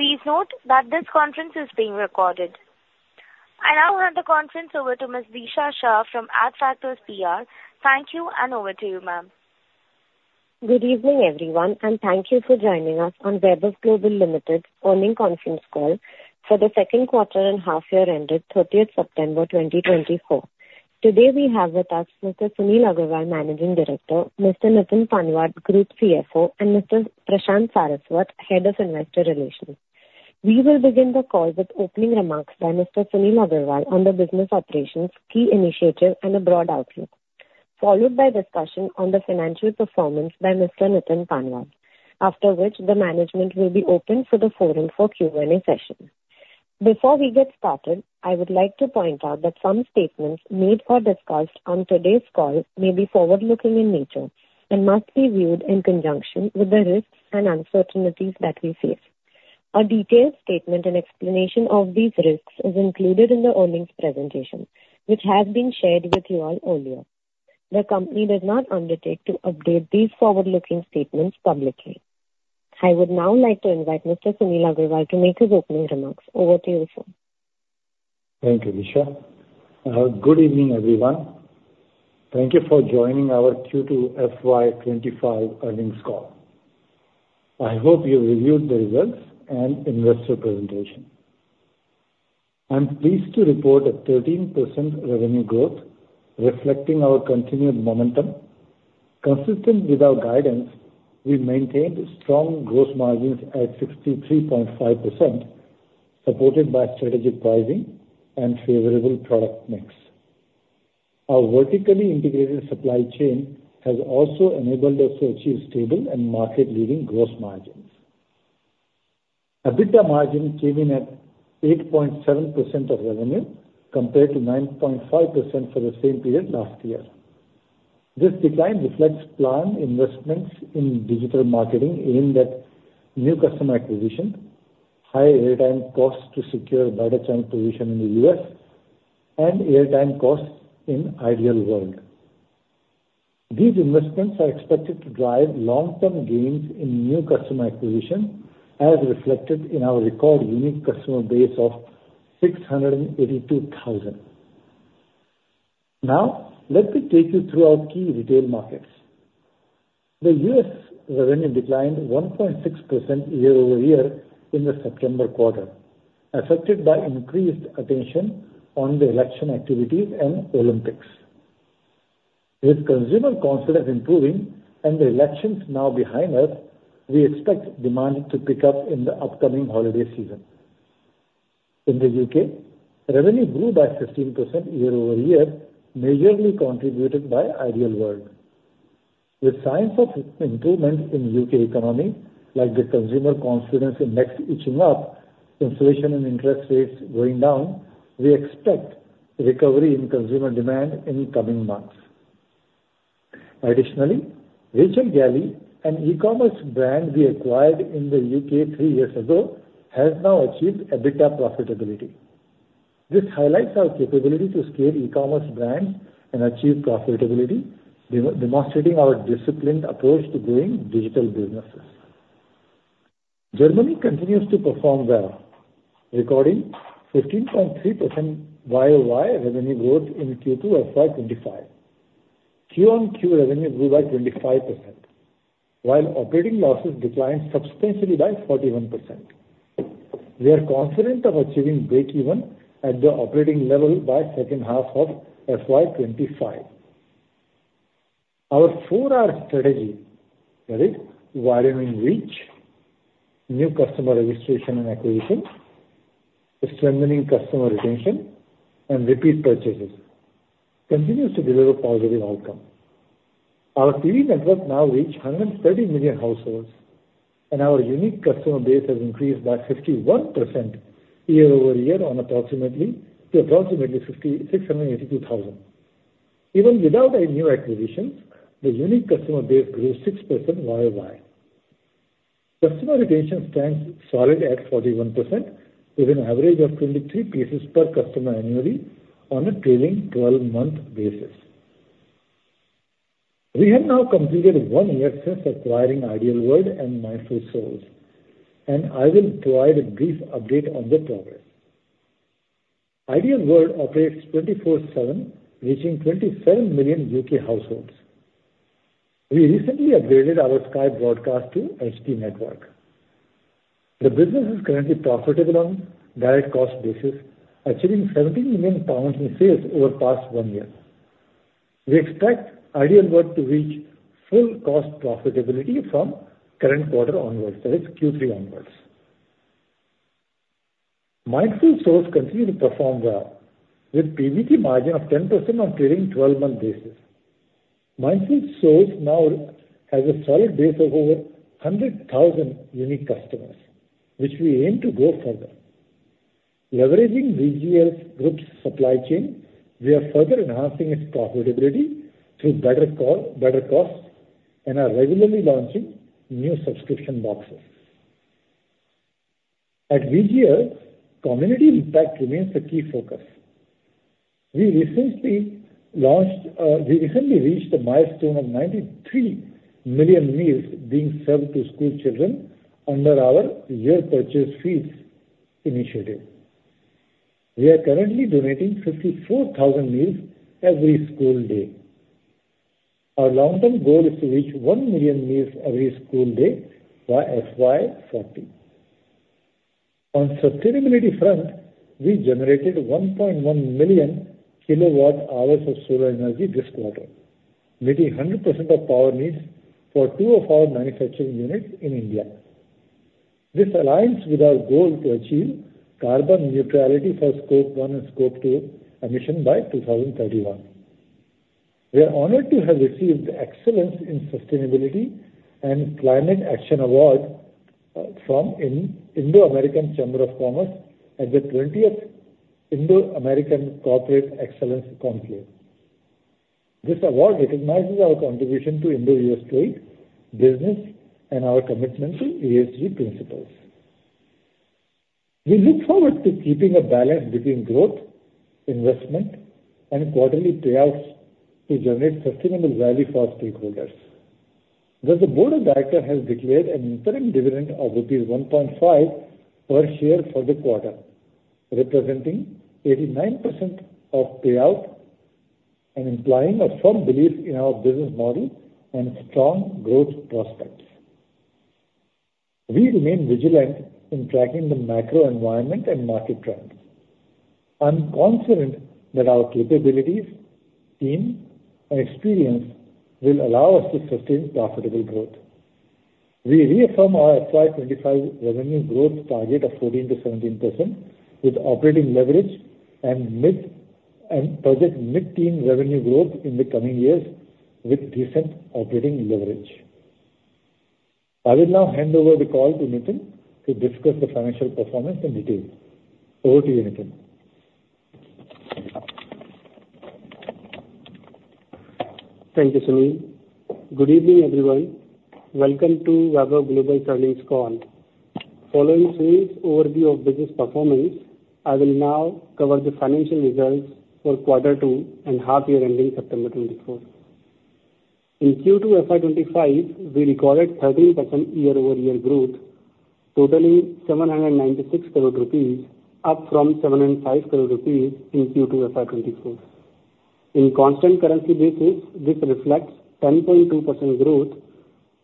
Please note that this conference is being recorded. I now hand the conference over to Ms. Disha Shah from Adfactors PR. Thank you, and over to you, ma'am. Good evening, everyone, and thank you for joining us on Vaibhav Global Limited's morning conference call for the second quarter and half-year end at 30 September 2024. Today, we have with us Mr. Sunil Agrawal, Managing Director, Mr. Nitin Panwad, Group CFO, and Mr. Prashant Saraswat, Head of Investor Relations. We will begin the call with opening remarks by Mr. Sunil Agrawal on the business operations, key initiative, and a broad outlook, followed by discussion on the financial performance by Mr. Nitin Panwad, after which the management will be open for the floor for Q&A session. Before we get started, I would like to point out that some statements made or discussed on today's call may be forward-looking in nature and must be viewed in conjunction with the risks and uncertainties that we face. A detailed statement and explanation of these risks is included in the earnings presentation, which has been shared with you all earlier. The company does not undertake to update these forward-looking statements publicly. I would now like to invite Mr. Sunil Agrawal to make his opening remarks. Over to you, sir. Thank you, Disha. Good evening, everyone. Thank you for joining our Q2 FY 2025 earnings call. I hope you've reviewed the results and investor presentation. I'm pleased to report a 13% revenue growth, reflecting our continued momentum. Consistent with our guidance, we maintained strong gross margins at 63.5%, supported by strategic pricing and favorable product mix. Our vertically integrated supply chain has also enabled us to achieve stable and market-leading gross margins. EBITDA margin came in at 8.7% of revenue, compared to 9.5% for the same period last year. This decline reflects planned investments in digital marketing aimed at new customer acquisition, higher airtime costs to secure a better channel position in the U.S., and airtime costs in the Ideal World. These investments are expected to drive long-term gains in new customer acquisition, as reflected in our record unique customer base of 682,000. Now, let me take you through our key retail markets. The U.S. revenue declined 1.6% year-over-year in the September quarter, affected by increased attention on the election activities and Olympics. With consumer confidence improving and the elections now behind us, we expect demand to pick up in the upcoming holiday season. In the U.K., revenue grew by 15% year-over-year, majorly contributed by the Ideal World. With signs of improvement in the U.K. economy, like the consumer confidence index inching up, inflation and interest rates going down, we expect recovery in consumer demand in the coming months. Additionally, Rachel Galley, an e-commerce brand we acquired in the U.K. three years ago, has now achieved EBITDA profitability. This highlights our capability to scale e-commerce brands and achieve profitability, demonstrating our disciplined approach to growing digital businesses. Germany continues to perform well, recording 15.3% YoY revenue growth in Q2 FY 2025. Q on Q revenue grew by 25%, while operating losses declined substantially by 41%. We are confident of achieving break-even at the operating level by the second half of FY 2025. Our 4R strategy (widening reach, new customer registration and acquisition, strengthening customer retention, and repeat purchases) continues to deliver positive outcomes. Our TV network now reaches 130 million households, and our unique customer base has increased by 51% year-over-year to approximately 682,000. Even without any new acquisitions, the unique customer base grew 6% YoY. Customer retention stands solid at 41%, with an average of 23 pieces per customer annually on a trailing 12-month basis. We have now completed one year since acquiring Ideal World and Mindful Souls, and I will provide a brief update on the progress. Ideal World operates 24/7, reaching 27 million UK households. We recently upgraded our Sky broadcast to HD network. The business is currently profitable on a direct cost basis, achieving INR 17 million in sales over the past one year. We expect Ideal World to reach full cost profitability from the current quarter onwards, that is, Q3 onwards. Mindful Souls continues to perform well, with a PBT margin of 10% on a trailing 12-month basis. Mindful Souls now has a solid base of over 100,000 unique customers, which we aim to grow further. Leveraging VGL's group's supply chain, we are further enhancing its profitability through better costs and are regularly launching new subscription boxes. At VGL, community impact remains the key focus. We recently reached a milestone of 93 million meals being served to school children under our Your Purchase Feeds initiative. We are currently donating 54,000 meals every school day. Our long-term goal is to reach 1 million meals every school day by FY 2040. On the sustainability front, we generated 1.1 million kilowatt-hours of solar energy this quarter, meeting 100% of power needs for two of our manufacturing units in India. This aligns with our goal to achieve carbon neutrality for Scope 1 and Scope 2 emissions by 2031. We are honored to have received the Excellence in Sustainability and Climate Action Award from the Indo-American Chamber of Commerce at the 20th Indo-American Corporate Excellence Conclave. This award recognizes our contribution to Indo-U.S. trade, business, and our commitment to ESG principles. We look forward to keeping a balance between growth, investment, and quarterly payouts to generate sustainable value for our stakeholders. The board of directors has declared an interim dividend of rupees 1.5 per share for the quarter, representing 89% of payout, implying a firm belief in our business model and strong growth prospects. We remain vigilant in tracking the macro environment and market trends. I'm confident that our capabilities, team, and experience will allow us to sustain profitable growth. We reaffirm our FY 2025 revenue growth target of 14%-17% with operating leverage and project mid-teens revenue growth in the coming years with decent operating leverage. I will now hand over the call to Nitin to discuss the financial performance in detail. Over to you, Nitin. Thank you, Sunil. Good evening, everyone. Welcome to Vaibhav Global's earnings call. Following Sunil's overview of business performance, I will now cover the financial results for Q2 and half-year ending September 24. In Q2 FY 2025, we recorded 13% year-over-year growth, totaling 796 crore rupees, up from 705 crore rupees in Q2 FY 2024. In constant currency basis, this reflects 10.2% growth,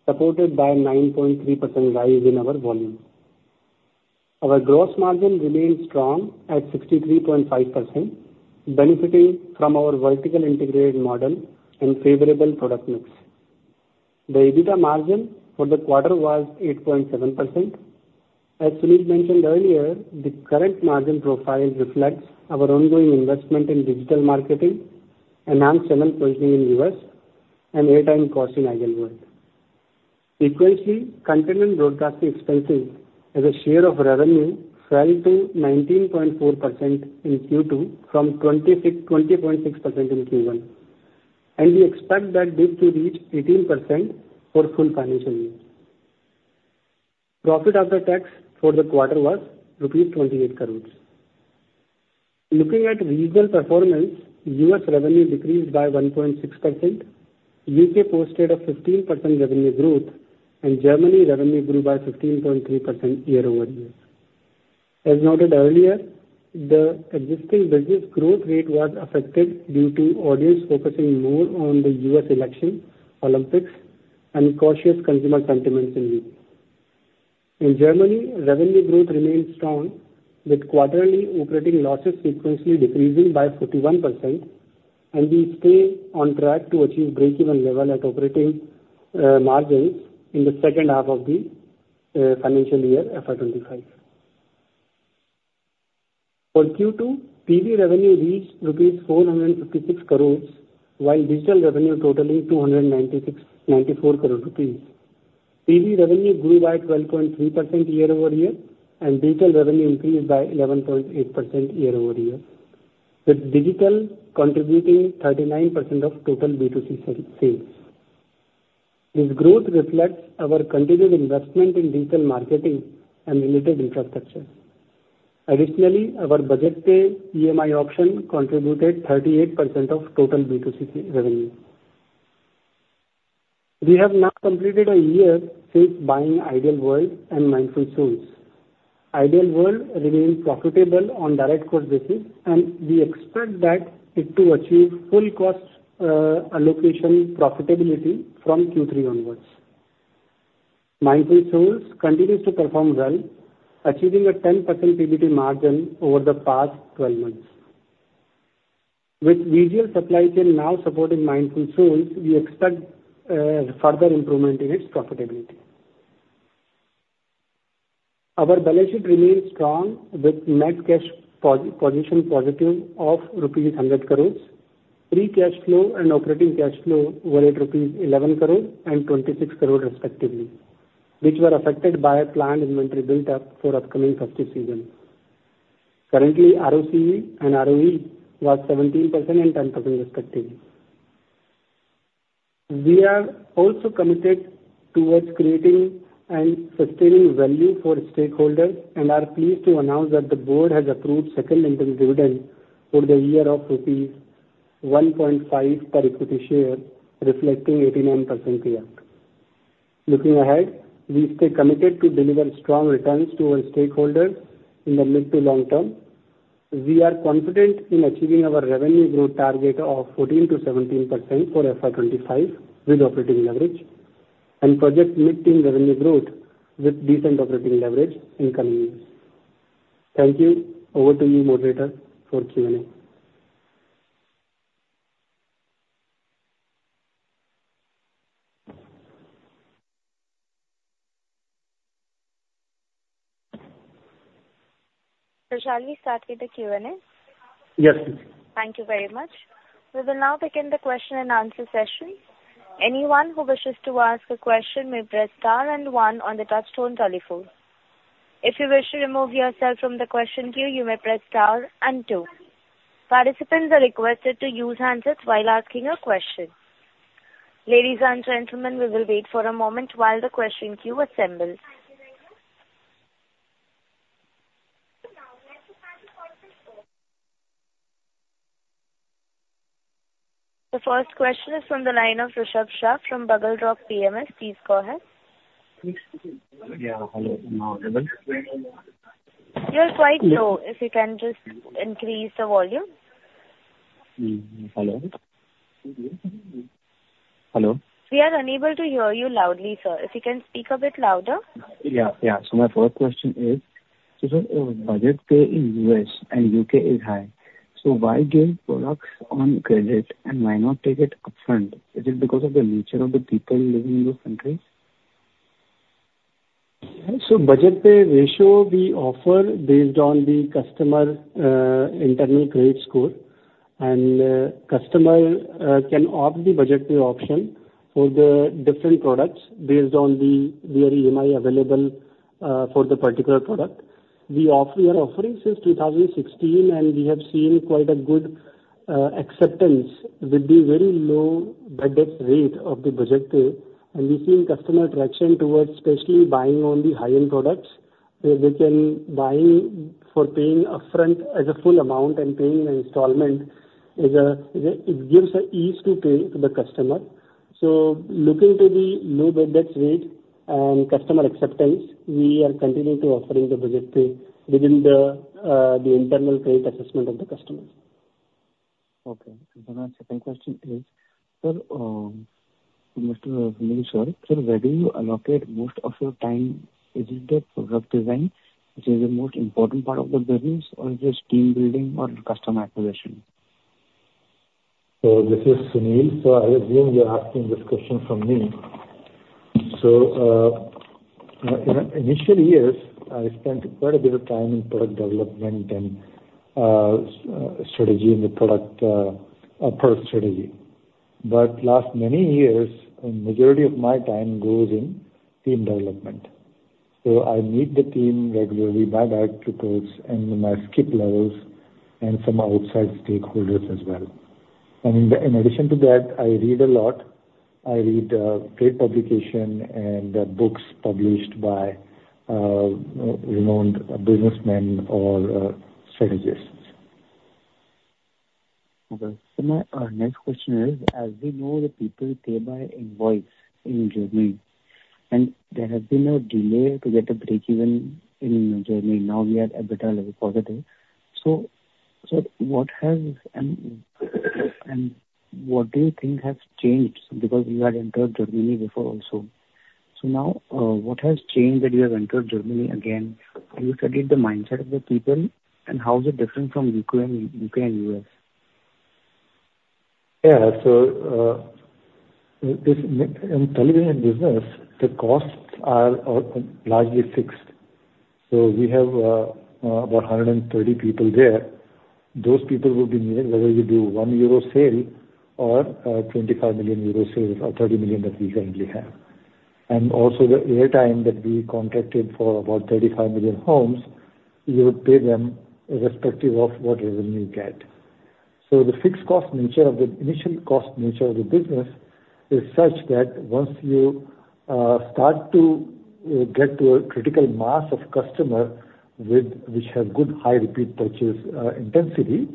supported by a 9.3% rise in our volume. Our gross margin remained strong at 63.5%, benefiting from our vertically integrated model and favorable product mix. The EBITDA margin for the quarter was 8.7%. As Sunil mentioned earlier, the current margin profile reflects our ongoing investment in digital marketing, enhanced channel positioning in the U.S., and airtime costs in Ideal World. Equally, content and broadcasting expenses as a share of revenue fell to 19.4% in Q2 from 20.6% in Q1, and we expect that this to reach 18% for full financial year. Profit after tax for the quarter was rupees 28 crore. Looking at regional performance, U.S. revenue decreased by 1.6%, U.K. posted a 15% revenue growth, and Germany revenue grew by 15.3% year-over-year. As noted earlier, the existing business growth rate was affected due to audience focusing more on the U.S. election, Olympics, and cautious consumer sentiments in the U.K. In Germany, revenue growth remained strong, with quarterly operating losses sequentially decreasing by 41%, and we stay on track to achieve break-even level at operating margins in the second half of the financial year FY 2025. For Q2, TV revenue reached rupees 456 crore, while digital revenue totaling 294 crore rupees. TV revenue grew by 12.3% year-over-year, and digital revenue increased by 11.8% year-over-year, with digital contributing 39% of total B2C sales. This growth reflects our continued investment in digital marketing and related infrastructure. Additionally, our Budget Pay EMI option contributed 38% of total B2C revenue. We have now completed a year since buying Ideal World and Mindful Souls. Ideal World remained profitable on a direct cost basis, and we expect that it to achieve full cost allocation profitability from Q3 onwards. Mindful Souls continues to perform well, achieving a 10% PBT margin over the past 12 months. With VGL supply chain now supporting Mindful Souls, we expect further improvement in its profitability. Our balance sheet remains strong, with net cash position positive of rupees 100 crore, free cash flow, and operating cash flow worth 11 crore and 26 crore, respectively, which were affected by a planned inventory build-up for the upcoming festive season. Currently, ROCE and ROE were 17% and 10%, respectively. We are also committed toward creating and sustaining value for stakeholders and are pleased to announce that the board has approved a second interim dividend for the year of rupees 1.5 per equity share, reflecting 89% payout. Looking ahead, we stay committed to deliver strong returns to our stakeholders in the mid to long term. We are confident in achieving our revenue growth target of 14%-17% for FY 2025 with operating leverage and we project mid-teens revenue growth with decent operating leverage in the coming years. Thank you. Over to you, operator, for Q&A. Start with the Q&A. Yes, please. Thank you very much. We will now begin the question-and-answer session. Anyone who wishes to ask a question may press star and one on the touch-tone telephone. If you wish to remove yourself from the question queue, you may press star and two. Participants are requested to use handsets while asking a question. Ladies and gentlemen, we will wait for a moment while the question queue assembles. The first question is from the line of Rishabh Shah from Buglerock Capital. Please go ahead. Yeah, hello. I'm available. You're quite low. If you can just increase the volume. Hello? We are unable to hear you loudly, sir. If you can speak a bit louder. Yeah, yeah. So my first question is, budget pay in the U.S. and U.K. is high. So why give products on credit and why not take it upfront? Is it because of the nature of the people living in those countries? Budget Pay ratio we offer based on the customer internal credit score, and customer can opt the Budget Pay option for the different products based on the EMI available for the particular product. We are offering since 2016, and we have seen quite a good acceptance with the very low budget rate of the Budget Pay, and we've seen customer attraction towards especially buying on the high-end products where they can buy for paying upfront as a full amount and paying in installment. It gives an ease to pay to the customer. Looking to the low budget rate and customer acceptance, we are continuing to offer the Budget Pay within the internal credit assessment of the customer. Okay. And then my second question is, sir, Mr. Sunil Agrawal, sir, where do you allocate most of your time? Is it the product design, which is the most important part of the business, or is it team building, or customer acquisition? This is Sunil. I assume you're asking this question from me. In initial years, I spent quite a bit of time in product development and strategy and the product strategy. But last many years, the majority of my time goes in team development. I meet the team regularly by direct reports and my skip levels and some outside stakeholders as well. And in addition to that, I read a lot. I read trade publications and books published by renowned businessmen or strategists. Okay. So my next question is, as we know, the people pay by invoice in Germany, and there has been a delay to get a break-even in Germany. Now we are at a better level positive. So what has and what do you think has changed? Because you had entered Germany before also. So now what has changed that you have entered Germany again? Have you studied the mindset of the people, and how is it different from U.K. and U.S.? Yeah. So in television business, the costs are largely fixed. So we have about 130 people there. Those people will be needed whether you do 1 euro sale, or 25 million euro sales, or 30 million that we currently have. And also the airtime that we contracted for about 35 million homes, you would pay them irrespective of what revenue you get. So the fixed cost nature of the initial cost nature of the business is such that once you start to get to a critical mass of customers which have good high repeat purchase intensity,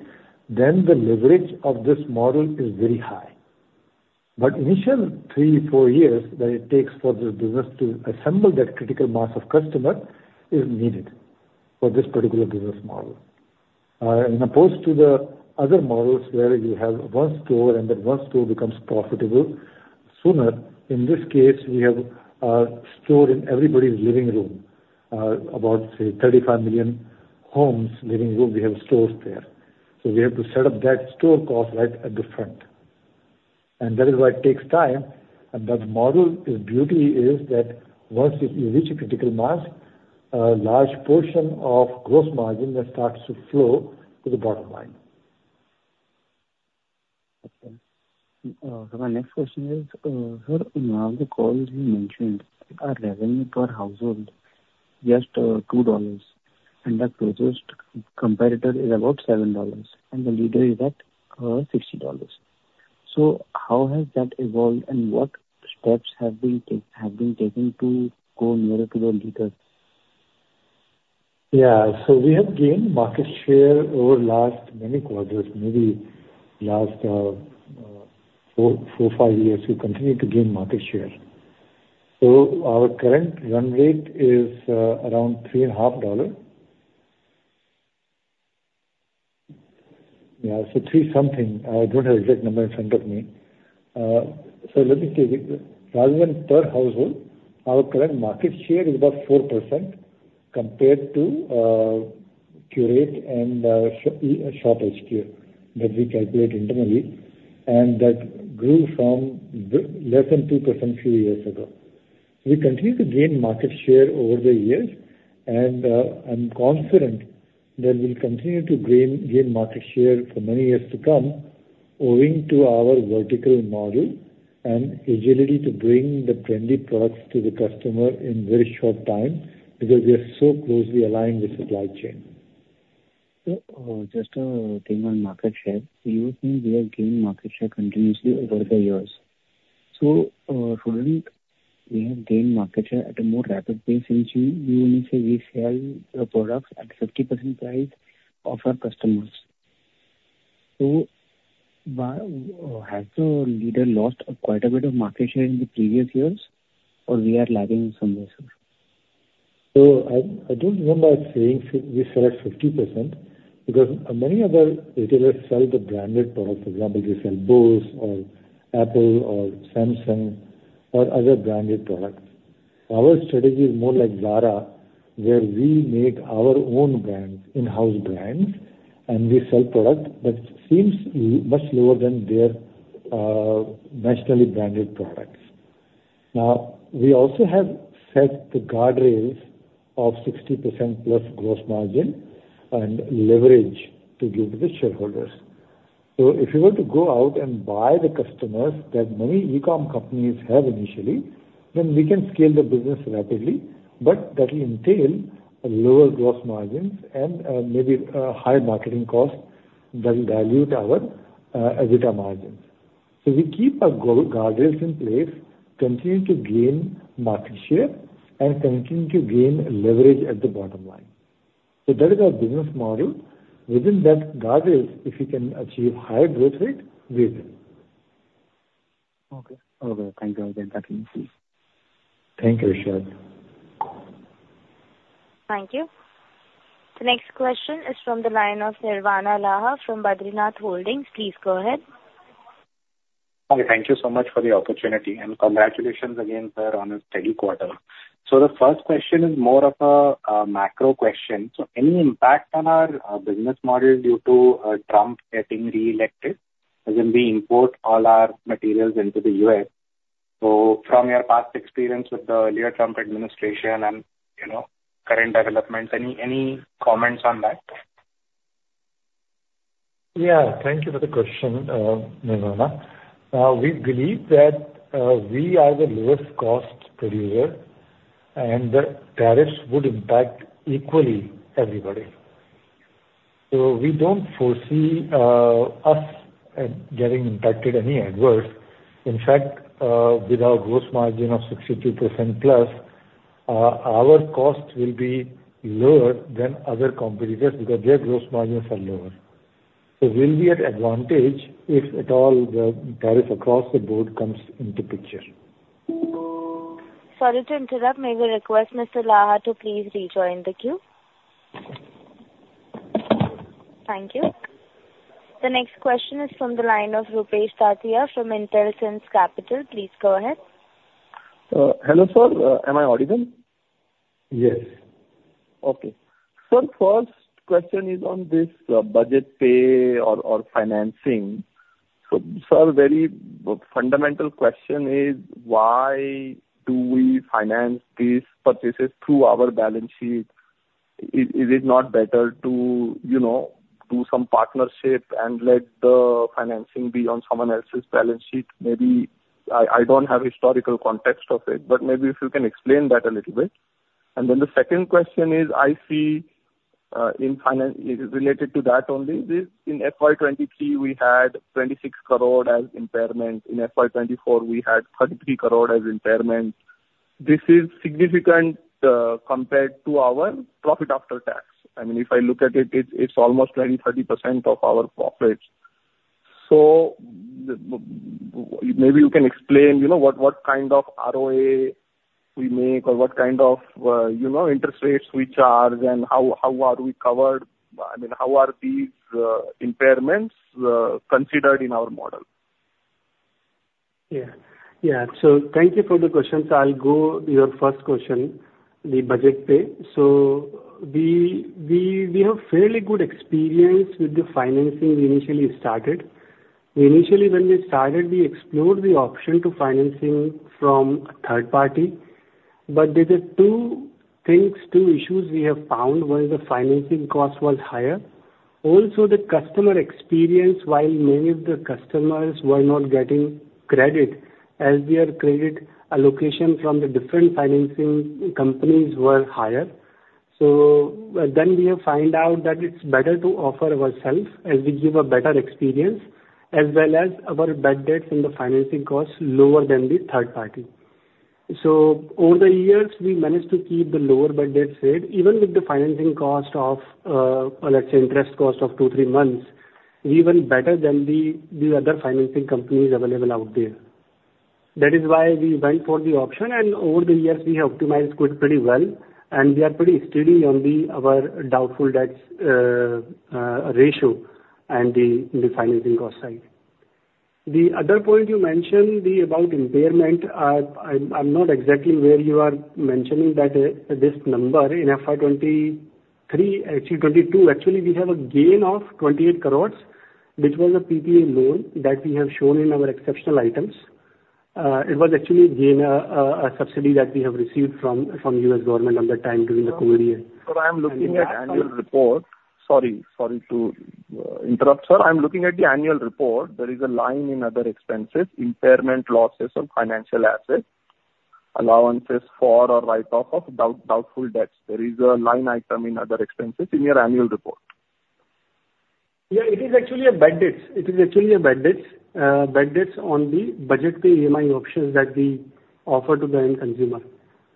then the leverage of this model is very high. But initial three, four years that it takes for this business to assemble that critical mass of customers is needed for this particular business model. As opposed to the other models where you have one store and then one store becomes profitable sooner, in this case, we have a store in everybody's living room. About, say, 35 million homes' living rooms, we have stores there. So we have to set up that store cost right at the front. And that is why it takes time. But the model's beauty is that once you reach a critical mass, a large portion of gross margin starts to flow to the bottom line. Okay. So my next question is, sir, now the calls you mentioned are revenue per household just $2, and the closest competitor is about $7, and the leader is at $60. So how has that evolved, and what steps have been taken to go nearer to the leader? Yeah. So we have gained market share over the last many quarters, maybe last four, five years. We continue to gain market share. So our current run rate is around $3.5. Yeah, so three something. I don't have the exact number in front of me. So let me tell you, rather than per household, our current market share is about 4% compared to Qurate and ShopHQ that we calculate internally, and that grew from less than 2% a few years ago. We continue to gain market share over the years, and I'm confident that we'll continue to gain market share for many years to come owing to our vertical model and agility to bring the trendy products to the customer in very short time because we are so closely aligned with supply chain. So just a thing on market share. You think we have gained market share continuously over the years. So suddenly, we have gained market share at a more rapid pace since you only say we sell products at 50% price of our customers. So has the leader lost quite a bit of market share in the previous years, or we are lagging in some way, sir? So I don't remember saying we sell at 50% because many other retailers sell the branded products. For example, they sell Bose, or Apple, or Samsung, or other branded products. Our strategy is more like Zara, where we make our own brands, in-house brands, and we sell products that seem much lower than their nationally branded products. Now, we also have set the guardrails of 60% plus gross margin and leverage to give to the shareholders. So if you were to go out and buy the customers that many e-comm companies have initially, then we can scale the business rapidly, but that will entail lower gross margins and maybe high marketing costs that will dilute our EBITDA margins. So we keep our guardrails in place, continue to gain market share, and continue to gain leverage at the bottom line. So that is our business model. Within that guardrails, if we can achieve higher growth rate, we will. Okay. Okay. Thank you again. Thank you. Thank you, Rishabh. Thank you. The next question is from the line of Nirvana Laha from Badrinath Holdings. Please go ahead. Hi. Thank you so much for the opportunity, and congratulations again, sir, on a steady quarter. So the first question is more of a macro question. So any impact on our business model due to Trump getting re-elected? As in, we import all our materials into the U.S. So from your past experience with the earlier Trump administration and current developments, any comments on that? Yeah. Thank you for the question, Nirvana. We believe that we are the lowest-cost producer, and the tariffs would impact equally everybody. So we don't foresee us getting impacted any adverse. In fact, with our gross margin of 62% plus, our cost will be lower than other competitors because their gross margins are lower. So we'll be at advantage if at all the tariff across the board comes into picture. Sorry to interrupt. May we request Mr. Laha to please rejoin the queue? Okay. Thank you. The next question is from the line of Rupesh Tatiya from Intelsense Capital. Please go ahead. Hello, sir. Am I audible? Yes. Okay. Sir, first question is on this Budget Pay or financing. So, sir, very fundamental question is, why do we finance these purchases through our balance sheet? Is it not better to do some partnership and let the financing be on someone else's balance sheet? Maybe I don't have historical context of it, but maybe if you can explain that a little bit. And then the second question is, I see related to that only, in FY 2023, we had 26% as impairment. In FY 2024, we had 33% as impairment. This is significant compared to our profit after tax. I mean, if I look at it, it's almost 20%-30% of our profits. So maybe you can explain what kind of ROA we make or what kind of interest rates we charge, and how are we covered? I mean, how are these impairments considered in our model? Yeah. Yeah. So thank you for the questions. I'll go to your first question, the Budget Pay. So we have fairly good experience with the financing we initially started. Initially, when we started, we explored the option to financing from a third party, but there were two things, two issues we have found, where the financing cost was higher. Also, the customer experience, while many of the customers were not getting credit as their credit allocation from the different financing companies was higher. So then we have found out that it's better to offer ourselves as we give a better experience, as well as our bad debts and the financing costs lower than the third party. So over the years, we managed to keep the lower bad debts safe. Even with the financing cost of, let's say, interest cost of two, three months, we went better than the other financing companies available out there. That is why we went for the option, and over the years, we have optimized quite pretty well, and we are pretty steady on our doubtful debts ratio and the financing cost side. The other point you mentioned about impairment, I'm not exactly where you are mentioning that this number in FY 2023, actually 2022, actually we have a gain of 28%, which was a PPP loan that we have shown in our exceptional items. It was actually a subsidy that we have received from the U.S. government at that time during the COVID year. So I'm looking at the annual report. Sorry, sorry to interrupt, sir. I'm looking at the annual report. There is a line in other expenses, impairment losses of financial assets, allowances for or write-off of doubtful debts. There is a line item in other expenses in your annual report. Yeah. It is actually bad debts on the Budget Pay EMI options that we offer to the end consumer.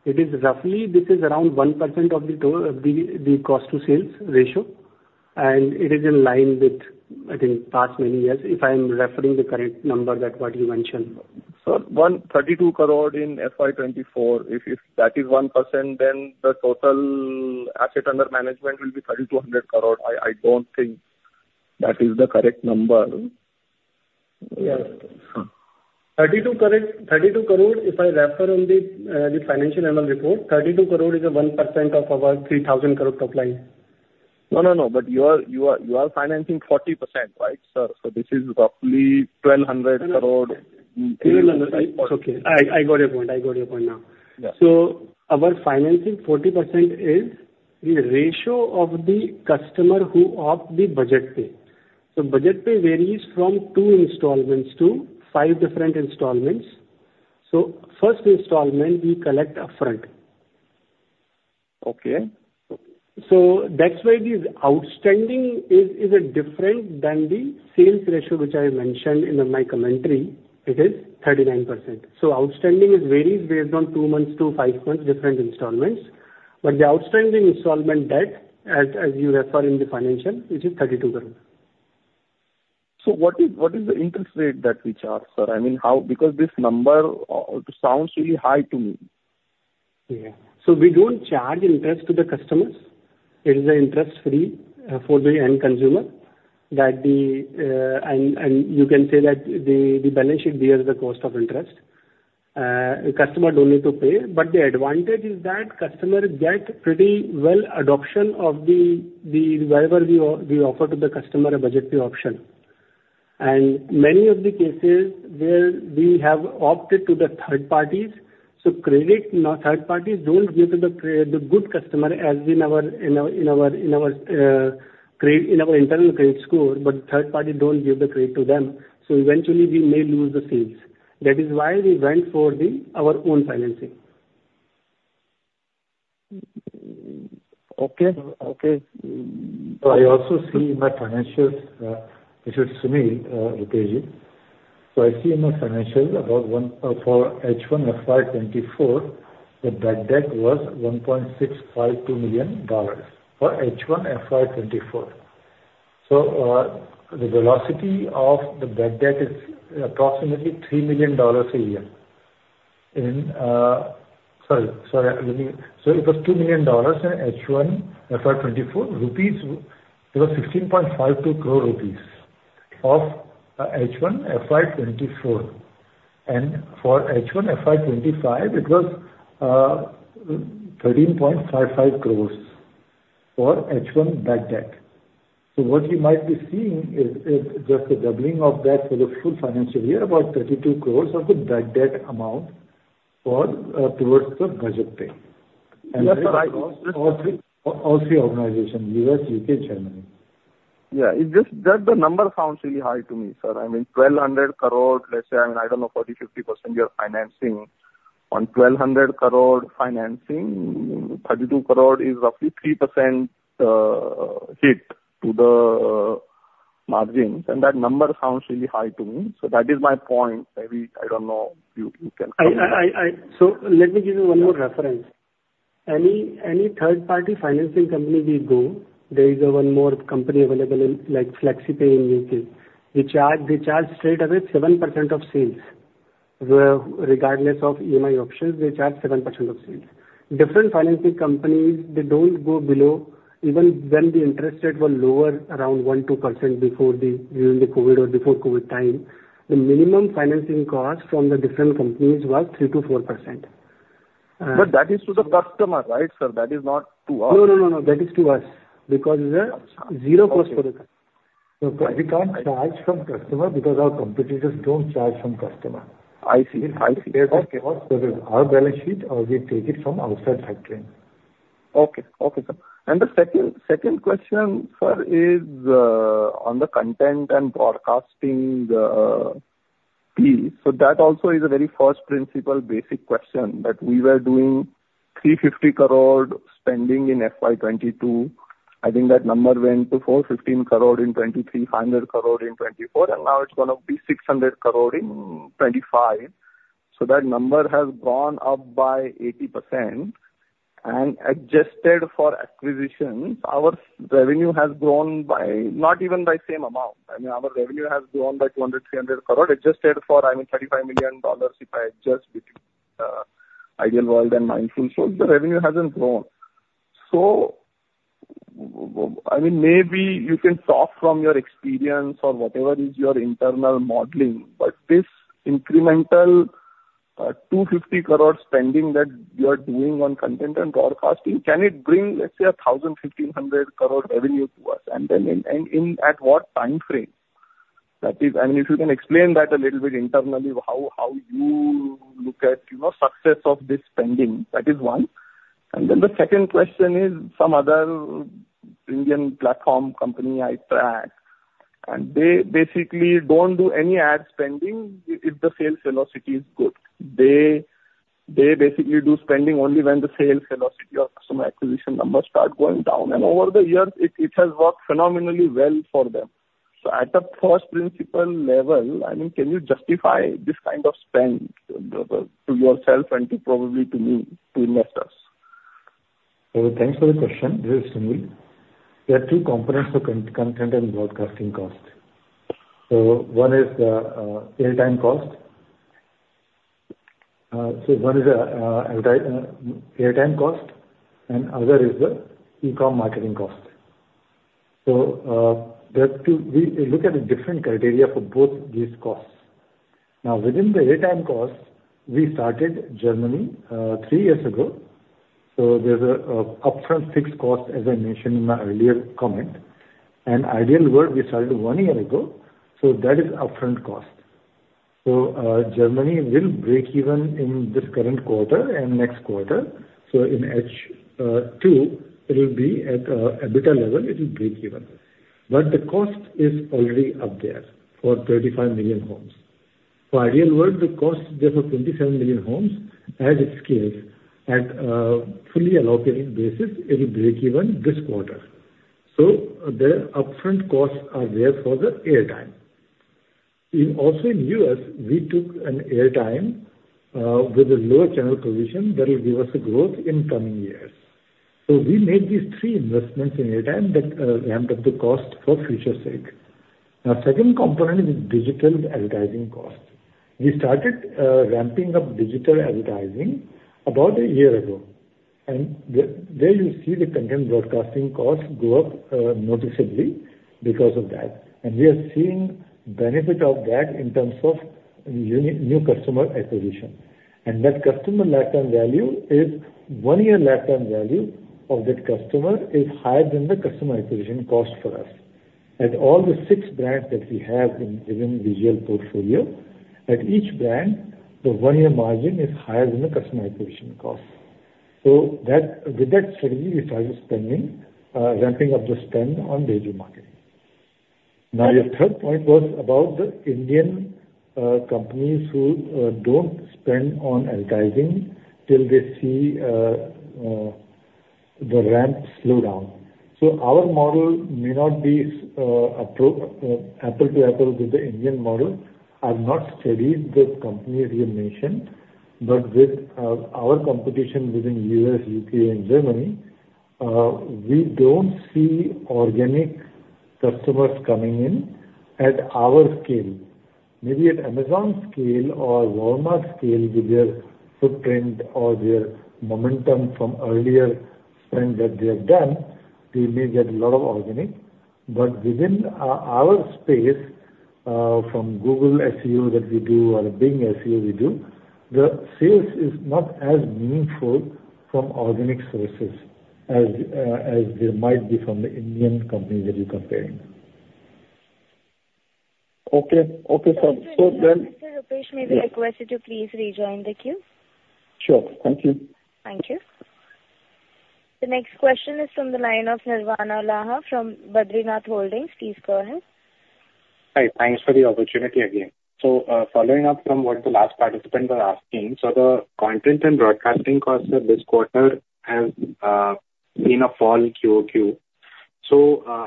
It is roughly around 1% of the cost to sales ratio, and it is in line with, I think, past many years, if I'm referring the correct number than what you mentioned. Sir, 32% in FY 2024, if that is 1%, then the total asset under management will be 3,200%. I don't think that is the correct number. Yeah. 32%, if I refer on the financial annual report, 32% is 1% of our 3,000% top line. No, no, no. But you are financing 40%, right, sir? So this is roughly 1,200%. 1,200%. Okay. I got your point. I got your point now. So our financing 40% is the ratio of the customer who opt the Budget Pay. So Budget Pay varies from two installments to five different installments. So first installment, we collect upfront. Okay. So that's why the outstanding is different than the sales ratio, which I mentioned in my commentary. It is 39%. So outstanding varies based on two months to five months different installments. But the outstanding installment debt, as you refer in the financial, which is 32%. So what is the interest rate that we charge, sir? I mean, because this number sounds really high to me. Yeah. So we don't charge interest to the customers. It is interest-free for the end consumer. And you can say that the balance sheet bears the cost of interest. The customer doesn't need to pay. But the advantage is that customers get pretty well adoption of wherever we offer to the customer a Budget Pay option. And many of the cases where we have opted to the third parties, so credit third parties don't give to the good customer as in our internal credit score, but third parties don't give the credit to them. So eventually, we may lose the sales. That is why we went for our own financing. Okay. Okay. I also see in my financials. If you see me, Rupesh, so I see in my financials about for H1, FY 2024, the bad debt was $1.652 million for H1, FY 2024. So the velocity of the bad debt is approximately $3 million a year. Sorry, sorry. So it was $2 million in H1, FY 2024. It was INR 16.52 crore of H1, FY 2024. And for H1, FY 2025, it was INR 13.55 crore for H1 bad debt. So what you might be seeing is just the doubling of that for the full financial year, about 32% of the bad debt amount towards the Budget Pay. Yes, sir. All three organizations, U.S., U.K., Germany. Yeah. Just the number sounds really high to me, sir. I mean, 1,200%. Let's say, I mean, I don't know, 40-50% you're financing. On 1,200% financing, 32% is roughly 3% hit to the margins. And that number sounds really high to me. So that is my point. Maybe I don't know if you can claim it. So let me give you one more reference. Any third-party financing company we go, there is one more company available like FlexiPay in the U.K. They charge straight away 7% of sales. Regardless of EMI options, they charge 7% of sales. Different financing companies, they don't go below. Even when the interest rate was lower, around 1%, 2% before the COVID or before COVID time, the minimum financing cost from the different companies was 3% to 4%. But that is to the customer, right, sir? That is not to us. No, no, no, no. That is to us because it's a zero cost for the customer. We can't charge from customer because our competitors don't charge from customer. I see. I see. Because our balance sheet, we take it from outside factoring. Okay. Okay, sir. And the second question, sir, is on the content and broadcasting piece. So that also is a very first principle basic question that we were doing 350% spending in FY 2022. I think that number went to 415 crore in 2023, 500 crore in 2024, and now it's going to be 600 crore in 2025. So that number has gone up by 80%. And adjusted for acquisitions, our revenue has grown by not even by the same amount. I mean, our revenue has grown by 200 crore-300 crore. Adjusted for, I mean, $35 million if I adjust between Ideal World and Mindful. So the revenue hasn't grown. So I mean, maybe you can talk from your experience or whatever is your internal modeling. But this incremental 250 crore spending that you are doing on content and broadcasting, can it bring, let's say, 1,000 crore-INR 1,500crore revenue to us? And then at what time frame? I mean, if you can explain that a little bit internally, how you look at the success of this spending? That is one. And then the second question is some other Indian platform company I track, and they basically don't do any ad spending if the sales velocity is good. They basically do spending only when the sales velocity or customer acquisition numbers start going down. And over the years, it has worked phenomenally well for them. So at the first principle level, I mean, can you justify this kind of spend to yourself and probably to me, to investors? Thanks for the question. This is Sunil. There are two components to content and broadcasting cost. One is the airtime cost, and the other is the e-com marketing cost. We look at a different criterion for both these costs. Now, within the airtime cost, we started in Germany three years ago. There's an upfront fixed cost, as I mentioned in my earlier comment. We started Ideal World one year ago. That is upfront cost. Germany will break even in this current quarter and next quarter. In H2, it will be at a breakeven level. It will break even. The cost is already up there for 35 million homes. For Ideal World, the cost is there for 27 million homes as it scales at a fully allocated basis. It will break even this quarter. The upfront costs are there for the airtime. Also in the U.S., we took an airtime with a lower channel position that will give us a growth in coming years. We made these three investments in airtime that ramped up the cost for future's sake. Now, the second component is digital advertising costs. We started ramping up digital advertising about a year ago. There you see the content broadcasting costs go up noticeably because of that. We are seeing benefit of that in terms of new customer acquisition. That customer lifetime value is one year lifetime value of that customer is higher than the customer acquisition cost for us. At all the six brands that we have in the Vaibhav portfolio, at each brand, the one-year margin is higher than the customer acquisition cost. So with that strategy, we started spending, ramping up the spend on digital marketing. Now, your third point was about the Indian companies who don't spend on advertising till they see the ramp slow down. So our model may not be apples to apples with the Indian model. I've not studied the companies you mentioned. But with our competition within the U.S., U.K., and Germany, we don't see organic customers coming in at our scale. Maybe at Amazon scale or Walmart scale with their footprint or their momentum from earlier spend that they have done, they may get a lot of organic. But within our space, from Google SEO that we do or Bing SEO we do, the sales is not as meaningful from organic sources as there might be from the Indian companies that you're comparing. Okay. Okay, sir. So then. Mr. Rupesh, may we request you to please rejoin the queue? Sure. Thank you. Thank you. The next question is from the line of Nirvana Laha from Badrinath Holdings. Please go ahead. Hi. Thanks for the opportunity again. Following up from what the last participant was asking, so the content and broadcasting costs this quarter have been a fall QoQ.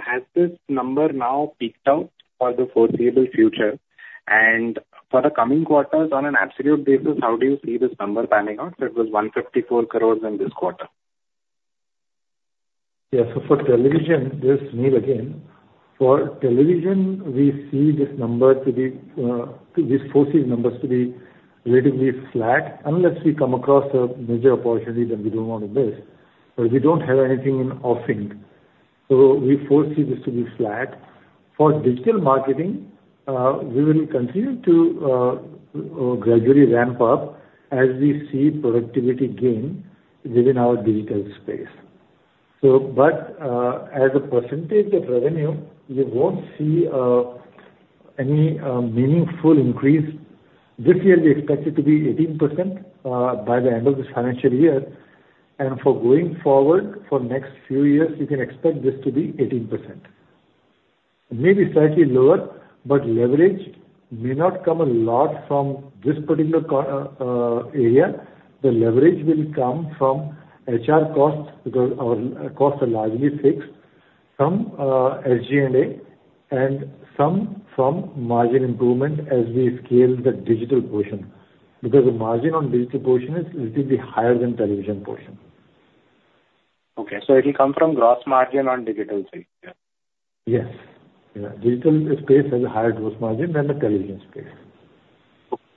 Has this number now peaked out for the foreseeable future? For the coming quarters, on an absolute basis, how do you see this number panning out? It was 154% in this quarter. Yeah. So for television, just me again, for television, we foresee numbers to be relatively flat unless we come across a major opportunity that we don't want to miss. But we don't have anything in the offing. So we foresee this to be flat. For digital marketing, we will continue to gradually ramp up as we see productivity gain within our digital space. But as a percentage of revenue, you won't see any meaningful increase. This year, we expect it to be 18% by the end of this financial year. And for going forward, for next few years, you can expect this to be 18%. Maybe slightly lower, but leverage may not come a lot from this particular area. The leverage will come from HR costs because our costs are largely fixed from SG&A and some from margin improvement as we scale the digital portion. Because the margin on digital portion is a little bit higher than television portion. Okay. So it will come from gross margin on digital space? Yes. Digital space has a higher gross margin than the television space.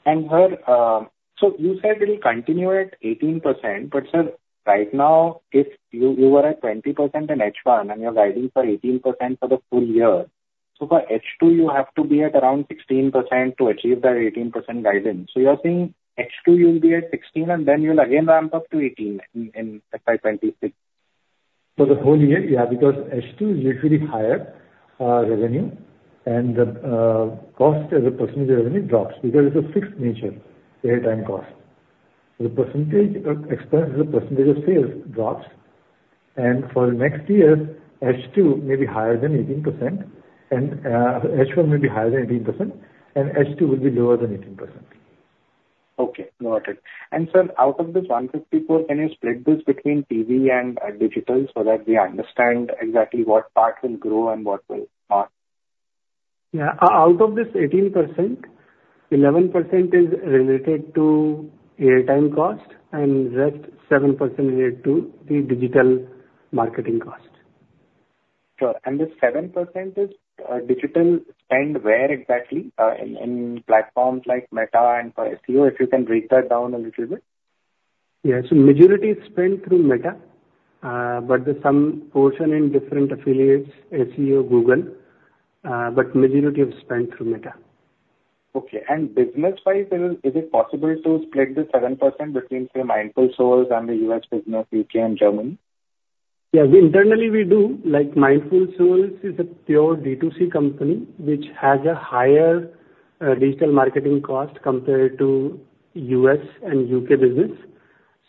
And so you said it will continue at 18%. But sir, right now, if you were at 20% in H1 and you're guiding for 18% for the full year, so for H2, you have to be at around 16% to achieve that 18% guidance. So you're saying H2, you'll be at 16%, and then you'll again ramp up to 18% in FY 2026? For the whole year, yeah, because H2 is usually higher revenue, and the cost as a percentage of revenue drops because it's a fixed nature, airtime cost. The percentage of expense, the percentage of sales drops. For the next year, H2 may be higher than 18%, and H1 may be higher than 18%, and H2 will be lower than 18%. Okay. Got it, and sir, out of this 154, can you split this between TV and digital so that we understand exactly what part will grow and what will not? Yeah. Out of this 18%, 11% is related to airtime cost, and the rest 7% related to the digital marketing cost. Sure. And this 7% is digital spend, where exactly in platforms like Meta and for SEO, if you can break that down a little bit? Yeah. So majority is spent through Meta, but there's some portion in different affiliates, SEO, Google. But majority of spend through Meta. Okay. And business-wise, is it possible to split the 7% between, say, Mindful Souls and the US business, UK and Germany? Yeah. Internally, we do. Mindful Souls is a pure D2C company which has a higher digital marketing cost compared to US and UK business.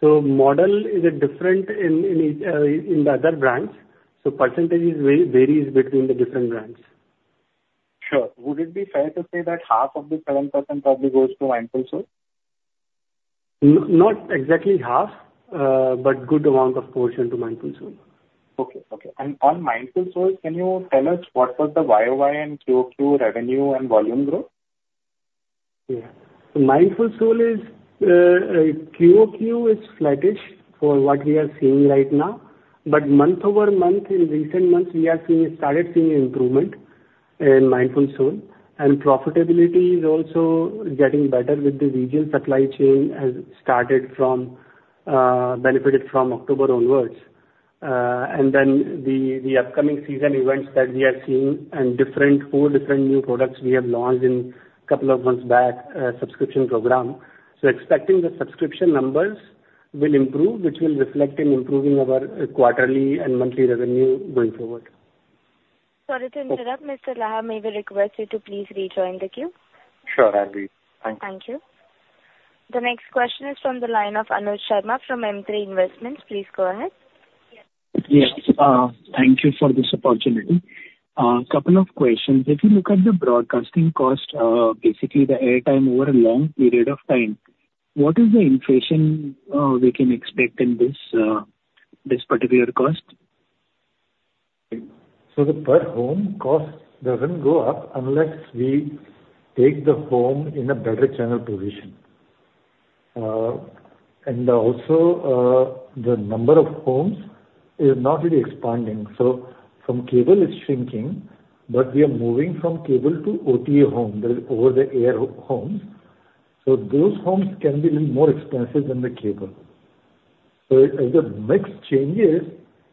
So model is different in the other brands. So percentages vary between the different brands. Sure. Would it be fair to say that half of the 7% probably goes to Mindful Souls? Not exactly half, but a good amount of portion to Mindful Souls. Okay. Okay. And on Mindful Souls, can you tell us what was the YoY and QoQ revenue and volume growth? Yeah. So Mindful Souls is QoQ flattish for what we are seeing right now. But month over month, in recent months, we have started seeing improvement in Mindful Souls. And profitability is also getting better with the regional supply chain, which has started benefiting from October onwards. And then the upcoming seasonal events that we are seeing and four different new products we have launched a couple of months back, subscription program. Expecting the subscription numbers will improve, which will reflect in improving our quarterly and monthly revenue going forward. Sorry to interrupt, Mr. Laha. May we request you to please rejoin the queue? Sure. I agree. Thank you. Thank you. The next question is from the line of Anuj Sharma from M3 Investments. Please go ahead. Yes. Thank you for this opportunity. A couple of questions. If you look at the broadcasting cost, basically the airtime over a long period of time, what is the inflation we can expect in this particular cost? So the per home cost doesn't go up unless we take the home in a better channel position. And also, the number of homes is not really expanding. So from cable, it's shrinking, but we are moving from cable to OTA homes, over the air homes. So those homes can be a little more expensive than the cable. So as the mix changes,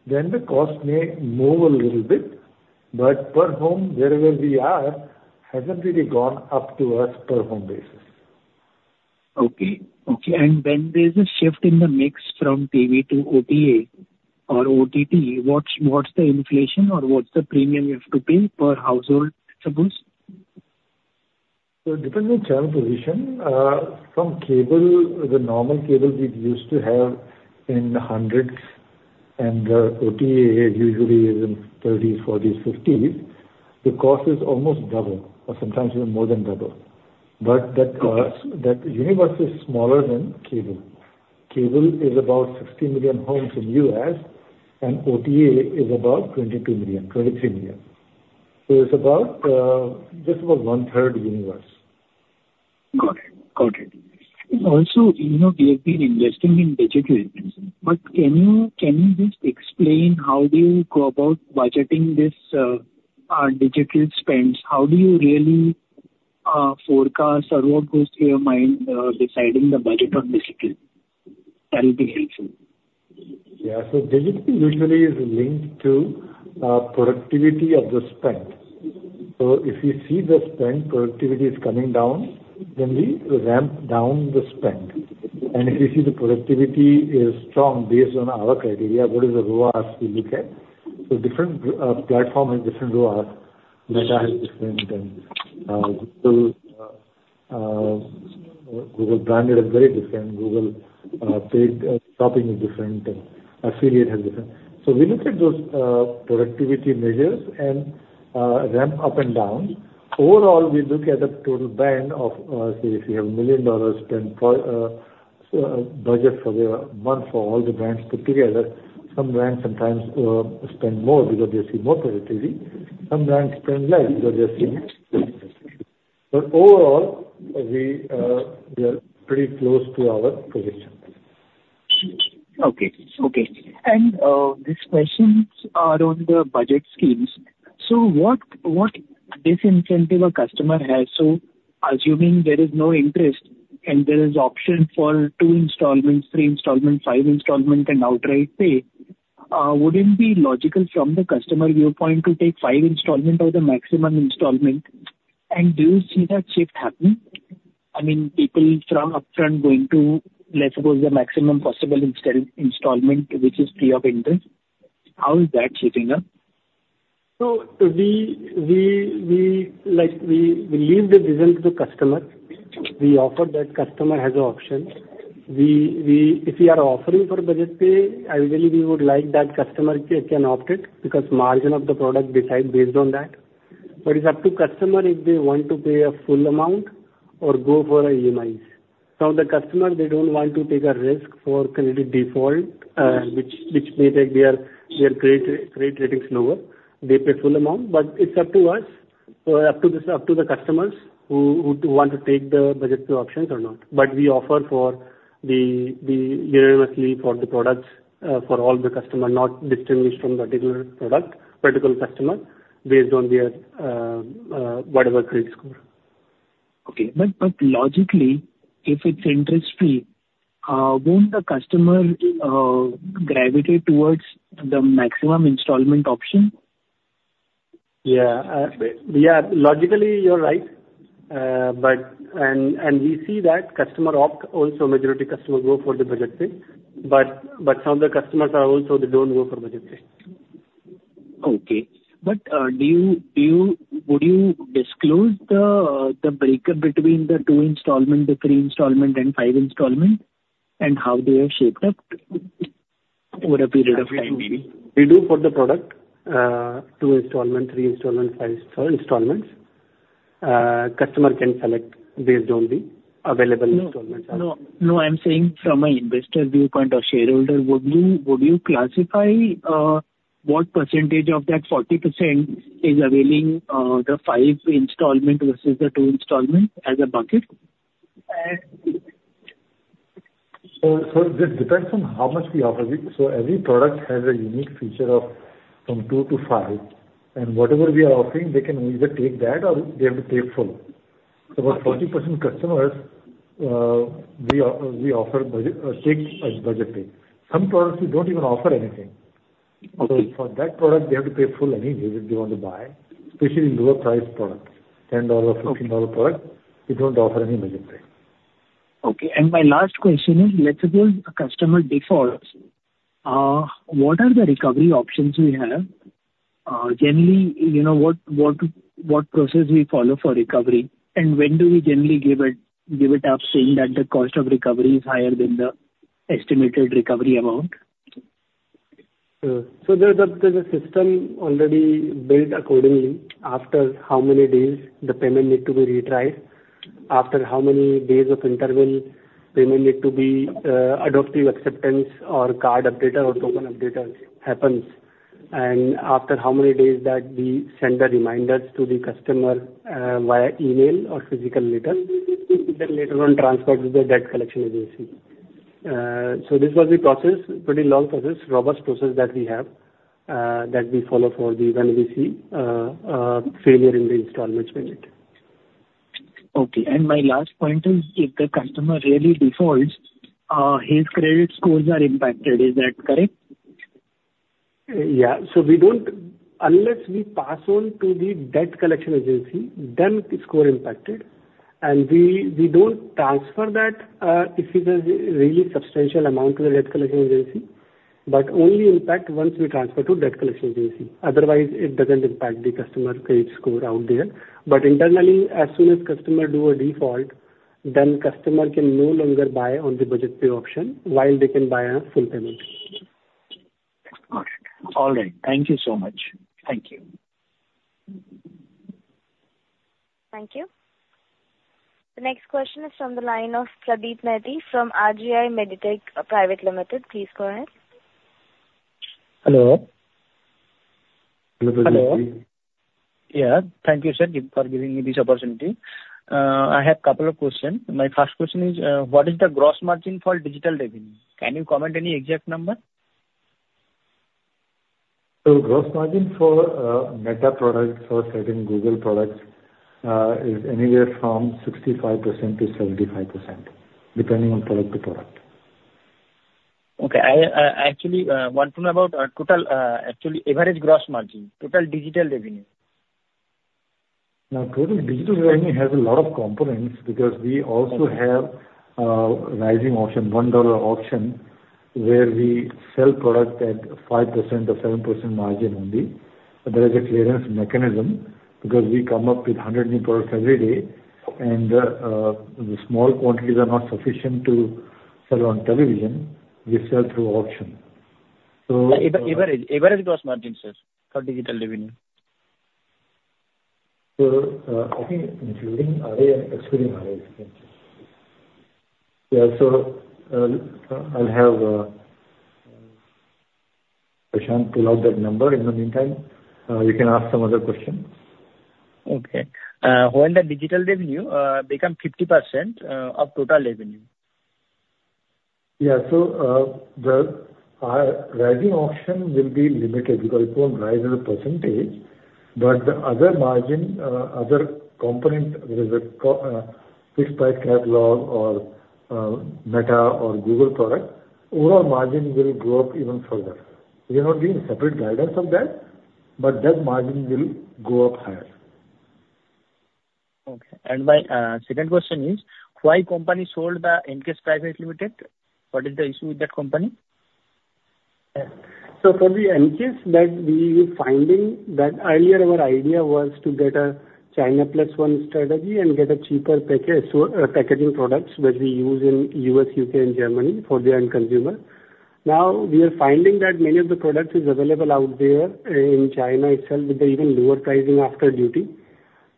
then the cost may move a little bit. But per home, wherever we are, hasn't really gone up to us per home basis. Okay. Okay, and when there's a shift in the mix from TV to OTA or OTT, what's the inflation or what's the premium you have to pay per household, suppose? So depending on channel position, from cable, the normal cable we used to have in the hundreds and the OTA usually is in the 30s, 40s, 50s. The cost is almost double or sometimes even more than double. But that universe is smaller than cable. Cable is about 60 million homes in the U.S., and OTA is about 22 million, 23 million. So it's just about one-third universe. Got it. Got it. Also, we have been investing in digital printing. But can you just explain how do you go about budgeting this digital spends? How do you really forecast or what goes through your mind deciding the budget on digital? That will be helpful. Yeah. Digital usually is linked to productivity of the spend. If you see the spend, productivity is coming down, then we ramp down the spend. If you see the productivity is strong based on our criteria, what is the ROAS we look at? Different platform has different ROAS. Meta has different. Google branded is very different. Google paid shopping is different. Affiliate has different. We look at those productivity measures and ramp up and down. Overall, we look at a total band of, say, if you have a $1 million spent budget for the month for all the brands put together, some brands sometimes spend more because they see more productivity. Some brands spend less because they are seeing less productivity. Overall, we are pretty close to our position. And this question is around the Budget Pay. So what disincentive a customer has? So assuming there is no interest and there is option for two installments, three installments, five installments, and outright pay, wouldn't it be logical from the customer viewpoint to take five installments or the maximum installment? And do you see that shift happen? I mean, people from upfront going to, let's suppose, the maximum possible installment, which is free of interest. How is that shaping up? We leave the result to the customer. We offer that customer has an option. If we are offering for Budget Pay, ideally, we would like that customer can opt it because margin of the product decides based on that. But it's up to customer if they want to pay a full amount or go for EMIs. Some of the customers, they don't want to take a risk for credit default, which may take their credit ratings lower. They pay full amount. But it's up to us, up to the customers who want to take the budget options or not. But we offer it uniformly for the products for all the customers, not distinguished from particular customer based on their whatever credit score. Okay. But logically, if it's interest-free, won't the customer gravitate towards the maximum installment option? Yeah. Yeah. Logically, you're right. And we see that customer opt also, majority customers go for the Budget Pay. But some of the customers are also they don't go for Budget Pay. Okay. But would you disclose the breakup between the two installment, the three installment, and five installment, and how they are shaped up over a period of time? We do for the product, two installments, three installments, five installments. Customer can select based on the available installments. No. No. No. I'm saying from an investor viewpoint or shareholder, would you classify what percentage of that 40% is availing the five installment versus the two installment as a bucket? So it depends on how much we offer. So every product has a unique feature of from two to five. And whatever we are offering, they can either take that or they have to pay full. So for 40% customers, we offer Budget Pay. Some products, we don't even offer anything. So for that product, they have to pay full anyway if they want to buy, especially lower-priced products, $10, $15 products. We don't offer any Budget Pay. Okay. And my last question is, let's suppose a customer defaults. What are the recovery options we have? Generally, what process do we follow for recovery? And when do we generally give it up saying that the cost of recovery is higher than the estimated recovery amount? So there's a system already built accordingly after how many days the payment needs to be retried, after how many days of interval payment needs to be adaptive acceptance or card updater or token updater happens, and after how many days that we send the reminders to the customer via email or physical letter, then later on, transferred to the debt collection agency, so this was the process, pretty long process, robust process that we have that we follow for when we see failure in the installment payment. Okay. My last point is, if the customer really defaults, his credit scores are impacted. Is that correct? Yeah. So unless we pass on to the debt collection agency, then the score is impacted. And we don't transfer that if it is a really substantial amount to the debt collection agency, but only impact once we transfer to debt collection agency. Otherwise, it doesn't impact the customer credit score out there. But internally, as soon as customer does a default, then customer can no longer buy on the Budget Pay option while they can buy a full payment. Got it. All right. Thank you so much. Thank you. Thank you. The next question is from the line of Pradeep Mehta from RGI Meditech Private Limited. Please go ahead. Hello. Hello, Pradeep. Hello. Yeah. Thank you, sir, for giving me this opportunity. I have a couple of questions. My first question is, what is the gross margin for digital revenue? Can you comment any exact number? Gross margin for Meta products or Google products is anywhere from 65%-75%, depending on product to product. Okay. Actually, one thing about total, actually, average gross margin, total digital revenue. Now, total digital revenue has a lot of components because we also have Rising Auction, $1 option, where we sell product at 5% or 7% margin only. There is a clearance mechanism because we come up with 100 new products every day, and the small quantities are not sufficient to sell on television. We sell through auction. So. Average gross margin, sir, for digital revenue? So, I think including RA and excluding RA. Yeah. So, I'll have Prashant pull out that number. In the meantime, you can ask some other questions. Okay. When the digital revenue becomes 50% of total revenue? Yeah. So the Rising Auction will be limited because it won't rise as a percentage. But the other margin, other component, whether it's a fixed price catalog or Meta or Google product, overall margin will grow up even further. We are not giving separate guidance on that, but that margin will go up higher. Okay. And my second question is, why company sold the NGT Global Private Limited? What is the issue with that company? For the NGT, we are finding that earlier our idea was to get a China Plus One strategy and get cheaper packaging products that we use in the U.S., U.K., and Germany for the end consumer. Now, we are finding that many of the products are available out there in China itself with even lower pricing after duty.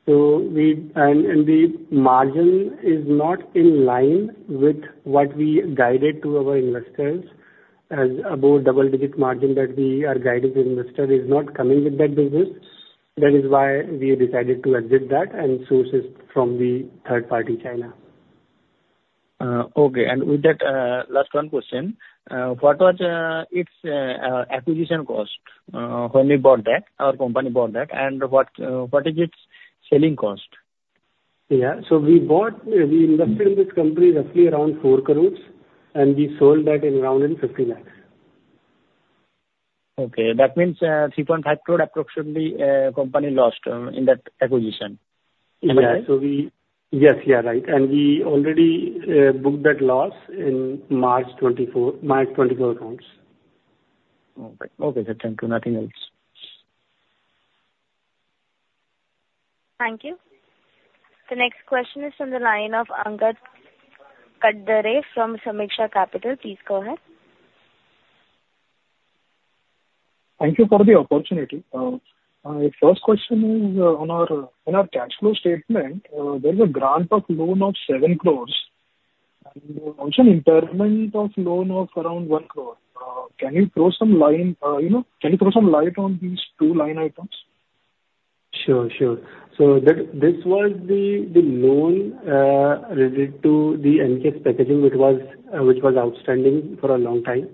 The margin is not in line with what we guided to our investors. About double-digit margin that we are guiding to investors is not coming with that business. That is why we decided to exit that and source it from the third party, China. Okay. And with that, last one question. What was its acquisition cost when we bought that? Our company bought that. And what is its selling cost? Yeah. So we invested in this company roughly around 4 crores, and we sold that in around 50 lakhs. Okay. That means 3.5 crore approximately company lost in that acquisition. Yeah. So, we already booked that loss in March 2024 accounts. Okay. Okay. That's it. Nothing else. Thank you. The next question is from the line of Angad Kandhari from Samiksha Capital. Please go ahead. Thank you for the opportunity. The first question is, in our cash flow statement, there is a grant of loan of 7 crores and also an impairment of loan of around ₹1 crore. Can you throw some light on these two line items? Sure. Sure. So this was the loan related to the NGT packaging, which was outstanding for a long time.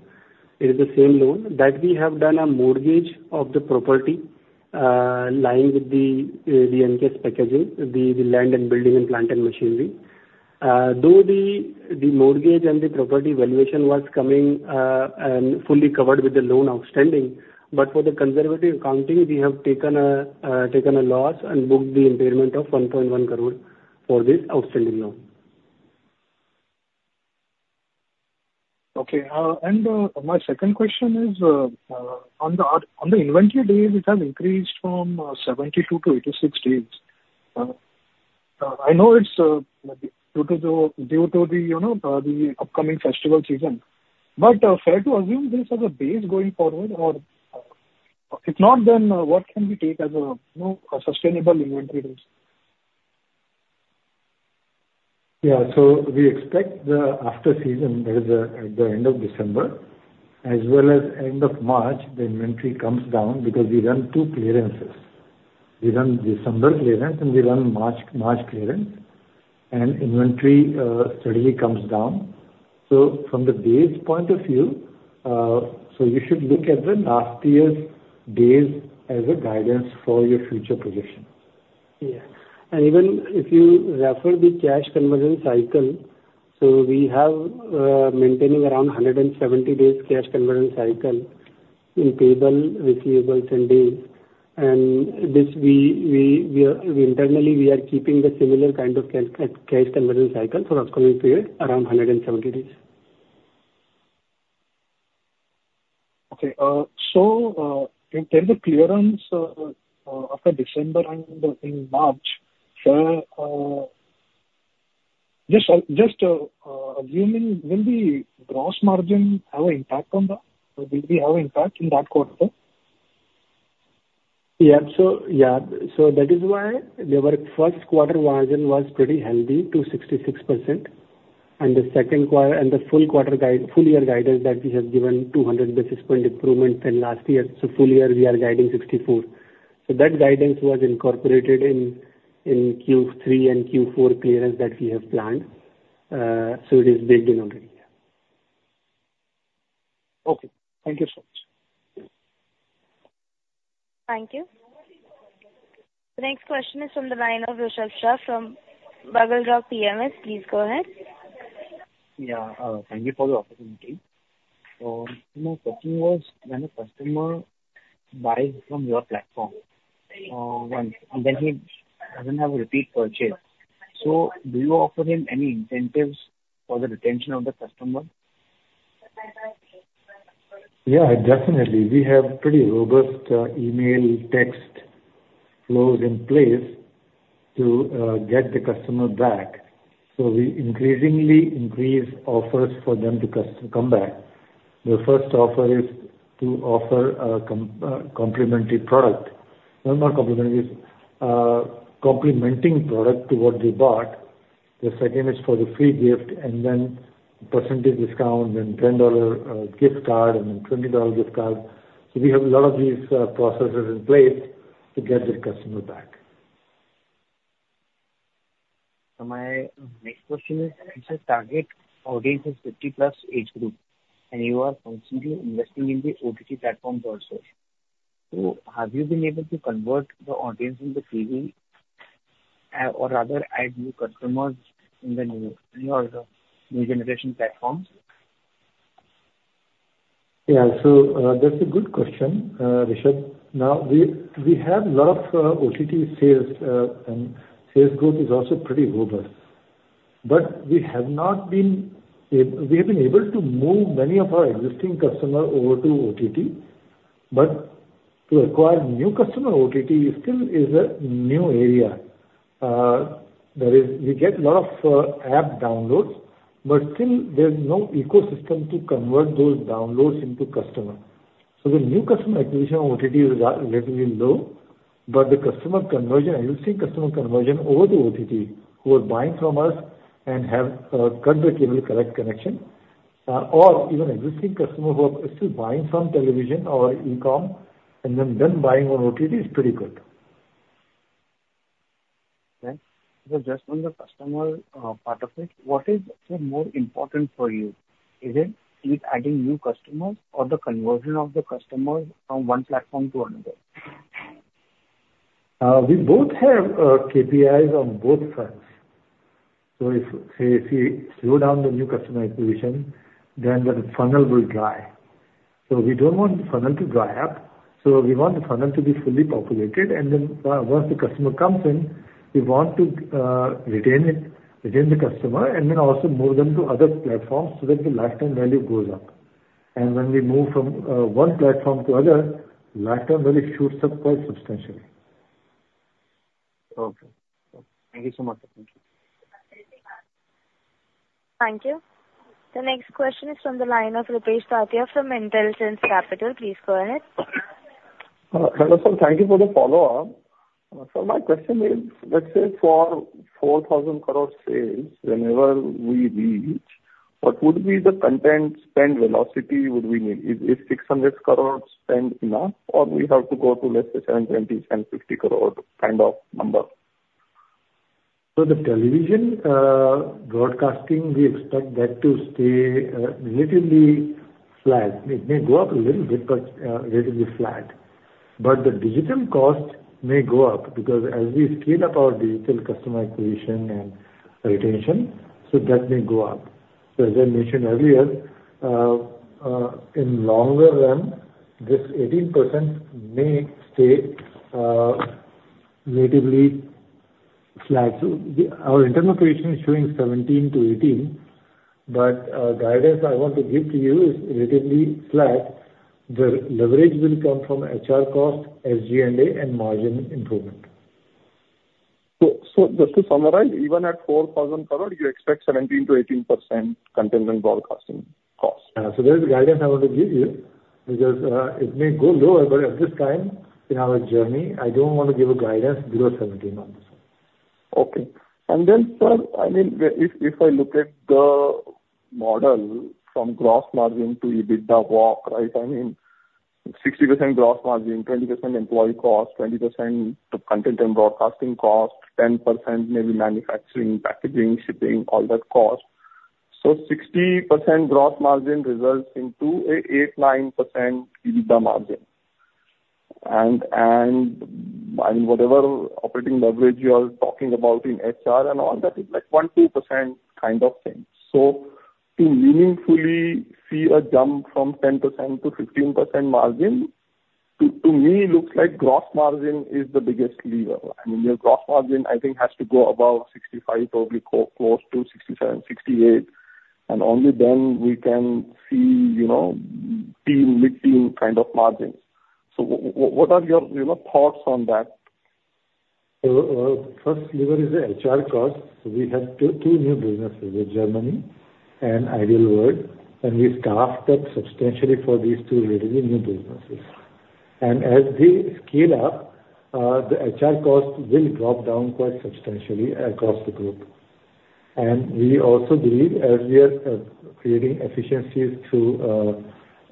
It is the same loan. That we have done a mortgage of the property lying with the NGT Packaging, the land and building and plant and machinery. Though the mortgage and the property valuation was coming and fully covered with the loan outstanding, but for the conservative accounting, we have taken a loss and booked the impairment of 1.1 crore for this outstanding loan. Okay, and my second question is on the inventory days. It has increased from 72 to 86 days. I know it's due to the upcoming festival season, but fair to assume this as a base going forward? If not, then what can we take as a sustainable inventory risk? Yeah, so we expect the after season, that is, at the end of December as well as end of March, the inventory comes down because we run two clearances. We run December clearance and we run March clearance. And inventory steadily comes down, so from the days point of view you should look at the last year's days as a guidance for your future position. Yeah, and even if you refer the cash conversion cycle, so we have maintaining around 170 days cash conversion cycle in payable, receivables, and days. Internally, we are keeping the similar kind of cash conversion cycle for the upcoming period, around 170 days. Okay. So if there is a clearance after December and in March, just assuming, will the gross margin have an impact on that? Will we have an impact in that quarter? That is why the first quarter margin was pretty healthy, to 66%, and the second quarter and the full-year guidance, full year guidance that we have given 200 basis point improvement than last year, so full year, we are guiding 64%. That guidance was incorporated in Q3 and Q4 clearance that we have planned, so it is baked in already. Okay. Thank you so much. Thank you. The next question is from the line of Rishabh Shah from Buglerock Capital. Please go ahead. Yeah. Thank you for the opportunity. So my question was, when a customer buys from your platform, then he doesn't have a repeat purchase. So do you offer him any incentives for the retention of the customer? Yeah. Definitely. We have pretty robust email text flows in place to get the customer back. So we increasingly increase offers for them to come back. The first offer is to offer a complimentary product. Not complimentary, it's a complementing product to what they bought. The second is for the free gift, and then percentage discount, then $10 gift card, and then $20 gift card. So we have a lot of these processes in place to get the customer back. So my next question is, you said target audience is 50+ age group, and you are constantly investing in the OTT platforms also. So have you been able to convert the audience in the TV or rather add new customers in the new generation platforms? Yeah. So that's a good question, Rishabh. Now, we have a lot of OTT sales, and sales growth is also pretty robust. But we have been able to move many of our existing customers over to OTT. But to acquire new customer OTT still is a new area. We get a lot of app downloads, but still there's no ecosystem to convert those downloads into customer. So the new customer acquisition OTT is relatively low, but the customer conversion, existing customer conversion over to OTT who are buying from us and have got the cable connection, or even existing customers who are still buying from television or e-com and then buying on OTT is pretty good. Thanks. Just on the customer part of it, what is more important for you? Is it adding new customers or the conversion of the customers from one platform to another? We both have KPIs on both fronts. So if we slow down the new customer acquisition, then the funnel will dry. So we don't want the funnel to dry up. So we want the funnel to be fully populated. And then once the customer comes in, we want to retain the customer and then also move them to other platforms so that the lifetime value goes up. And when we move from one platform to another, lifetime value shoots up quite substantially. Okay. Thank you so much. Thank you. Thank you. The next question is from the line of Rupesh Tatiya from Intelsense Capital. Please go ahead. Thank you for the follow-up. So my question is, let's say for 4,000 crore sales, whenever we reach, what would be the content spend velocity we need? Is 600 crore spend enough, or we have to go to, let's say, 720-750 crore kind of number? For the television broadcasting, we expect that to stay relatively flat. It may go up a little bit, but relatively flat. But the digital cost may go up because as we scale up our digital customer acquisition and retention, so that may go up. So as I mentioned earlier, in the long run, this 18% may stay relatively flat. So our internal prediction is showing 17%-18%, but the guidance I want to give to you is relatively flat. The leverage will come from HR cost, SG&A, and margin improvement. So just to summarize, even at ₹4,000 crore, you expect 17%-18% content and broadcasting cost? Yeah. So that's the guidance I want to give you because it may go lower, but at this time in our journey, I don't want to give a guidance below 17%. Okay. And then, sir, I mean, if I look at the model from gross margin to EBITDA walk, right? I mean, 60% gross margin, 20% employee cost, 20% content and broadcasting cost, 10% maybe manufacturing, packaging, shipping, all that cost. So 60% gross margin results into an 8%-9% EBITDA margin. And I mean, whatever operating leverage you are talking about in HR and all, that is like 1-2% kind of thing. So to meaningfully see a jump from 10%-15% margin, to me, looks like gross margin is the biggest lever. I mean, your gross margin, I think, has to go above 65, probably close to 67-68. And only then we can see mid-teens kind of margins. So what are your thoughts on that? So first lever is the HR cost. We have two new businesses with Germany and Ideal World, and we staffed up substantially for these two relatively new businesses. As they scale up, the HR cost will drop down quite substantially across the group. We also believe as we are creating efficiencies through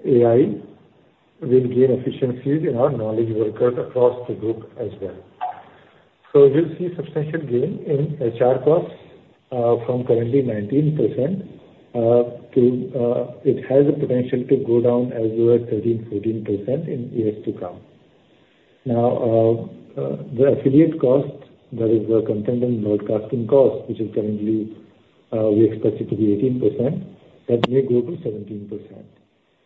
AI, we'll gain efficiencies in our knowledge workers across the group as well. You'll see substantial gain in HR costs from currently 19% to it has a potential to go down as well as 13%-14% in years to come. Now, the affiliate cost, that is the content and broadcasting cost, which is currently we expect it to be 18%, that may go to 17%.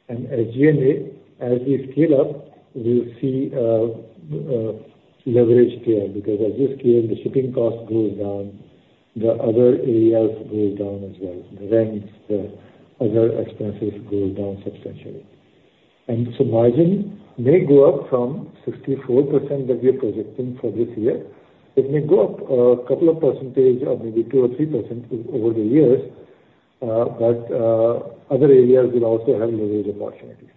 SG&A, as we scale up, we'll see leverage there because as you scale, the shipping cost goes down, the other areas go down as well. The rents, the other expenses go down substantially. And so margin may go up from 64% that we are projecting for this year. It may go up a couple of percentage or maybe 2% or 3% over the years, but other areas will also have leverage opportunities.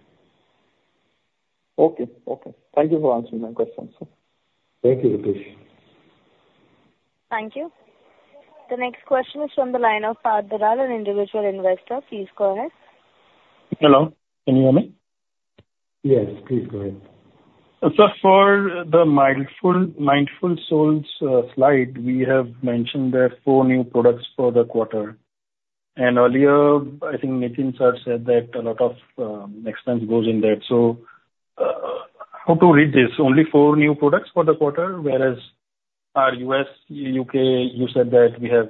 Okay. Okay. Thank you for answering my question, sir. Thank you, Rupesh. Thank you. The next question is from the line of Parth, an individual investor. Please go ahead. Hello. Can you hear me? Yes. Please go ahead. Sir, for the Mindful Souls slide, we have mentioned there are four new products for the quarter. And earlier, I think Nitin sir said that a lot of expense goes in there. So how to read this? Only four new products for the quarter, whereas our U.S., U.K., you said that we have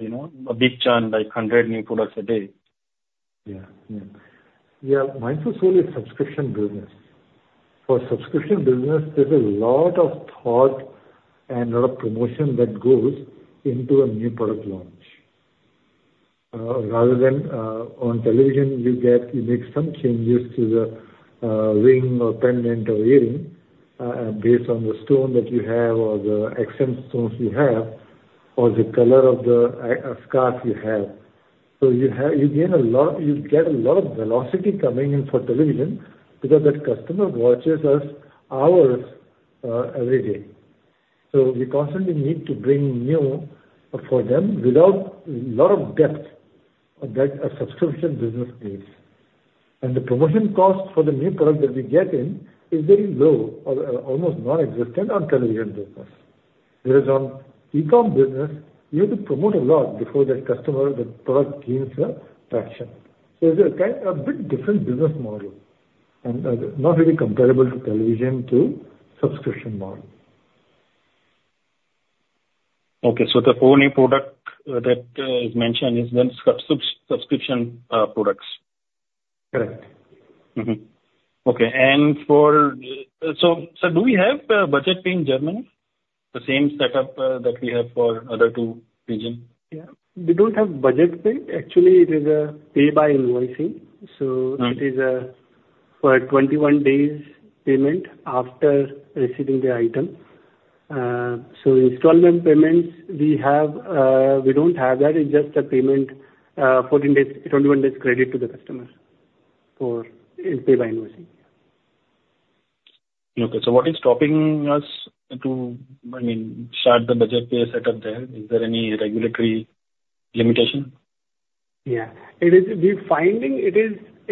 a big churn, like 100 new products a day. Yeah. Yeah. Yeah. Mindful Souls is a subscription business. For subscription business, there's a lot of thought and a lot of promotion that goes into a new product launch. Rather than on television, you make some changes to the ring or pendant or earring based on the stone that you have or the accent stones you have or the color of the scarf you have. So you get a lot of velocity coming in for television because that customer watches us hours every day. So we constantly need to bring new for them without a lot of depth that a subscription business needs. And the promotion cost for the new product that we get in is very low or almost non-existent on television business. Whereas on e-com business, you have to promote a lot before that customer, the product gains traction. So it's a bit different business model and not really comparable to television to subscription model. Okay. So the four new products that is mentioned is then subscription products? Correct. Okay, and so do we have Budget Pay in Germany? The same setup that we have for other two regions? Yeah. We don't have Budget Pay. Actually, it is a pay-by-invoicing. So it is for 21 days payment after receiving the item. So installment payments, we don't have that. It's just a payment, 21 days credit to the customer for pay-by-invoicing. Okay. So what is stopping us to, I mean, start the Budget Pay setup there? Is there any regulatory limitation? Yeah. We're finding it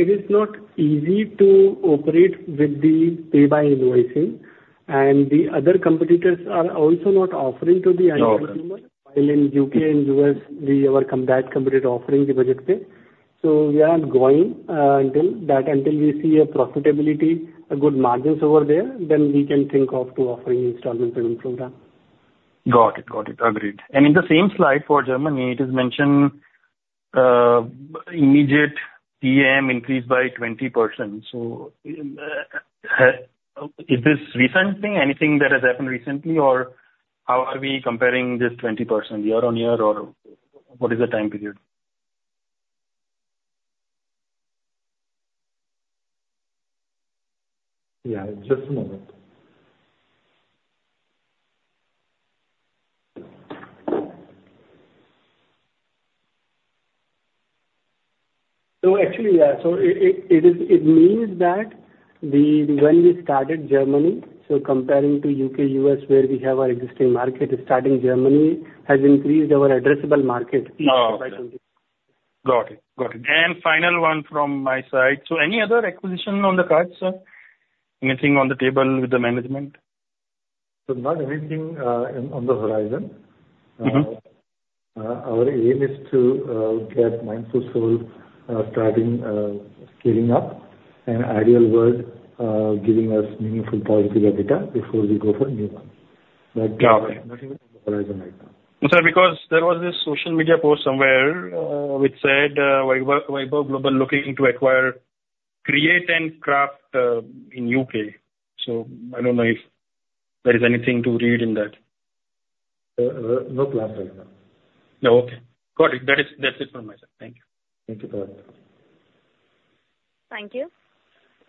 is not easy to operate with the pay-by-invoicing. And the other competitors are also not offering to the end customer. While in UK and US, we have a major competitor offering the Budget Pay. So we are not going until we see a profitability, a good margins over there, then we can think of offering installment payment program. Got it. Got it. Agreed. And in the same slide for Germany, it is mentioned immediate GM increase by 20%. So is this recent thing? Anything that has happened recently, or how are we comparing this 20% year on year, or what is the time period? It means that when we started Germany, so comparing to U.K., U.S., where we have our existing market, starting Germany has increased our addressable market by 20%. Got it. Got it. And final one from my side. So any other acquisition on the cards, sir? Anything on the table with the management? So not anything on the horizon. Our aim is to get Mindful Souls starting scaling up and Ideal World giving us meaningful positive data before we go for new ones. But nothing on the horizon right now. Sir, because there was this social media post somewhere which said Vaibhav Global looking to acquire Create and Craft in U.K. So I don't know if there is anything to read in that. No plans right now. Okay. Got it. That's it from my side. Thank you. Thank you for asking. Thank you.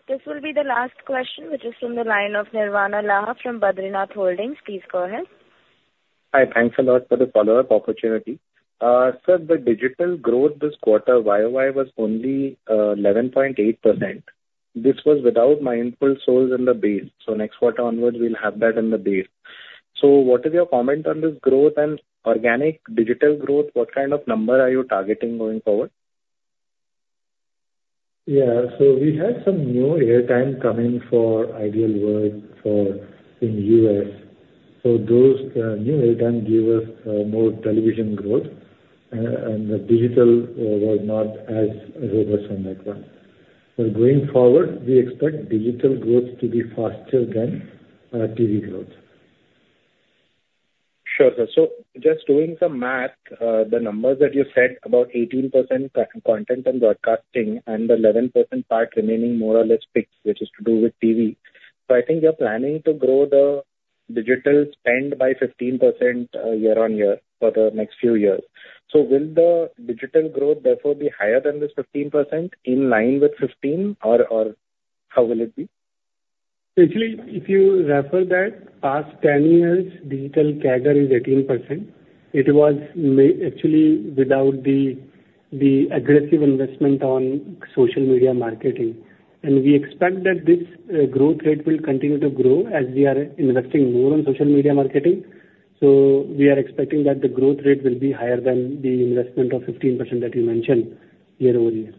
This will be the last question, which is from the line of Nirvana Laha from Badrinath Holdings. Please go ahead. Hi. Thanks a lot for the follow-up opportunity. Sir, the digital growth this quarter, YoY, was only 11.8%. This was without Mindful Souls in the base. So next quarter onwards, we'll have that in the base. So what is your comment on this growth and organic digital growth? What kind of number are you targeting going forward? Yeah. So we had some new airtime coming for Ideal World in the U.S. So those new airtime gave us more television growth, and the digital was not as robust on that one. But going forward, we expect digital growth to be faster than TV growth. Sure, sir. So just doing some math, the numbers that you said, about 18% content and broadcasting and the 11% part remaining more or less fixed, which is to do with TV. So I think you're planning to grow the digital spend by 15% year-on-year for the next few years. So will the digital growth therefore be higher than this 15% in line with 15, or how will it be? Actually, if you refer to the past 10 years, digital CAGR is 18%. It was actually without the aggressive investment on social media marketing. And we expect that this growth rate will continue to grow as we are investing more on social media marketing. So we are expecting that the growth rate will be higher than the investment of 15% that you mentioned year-over-year.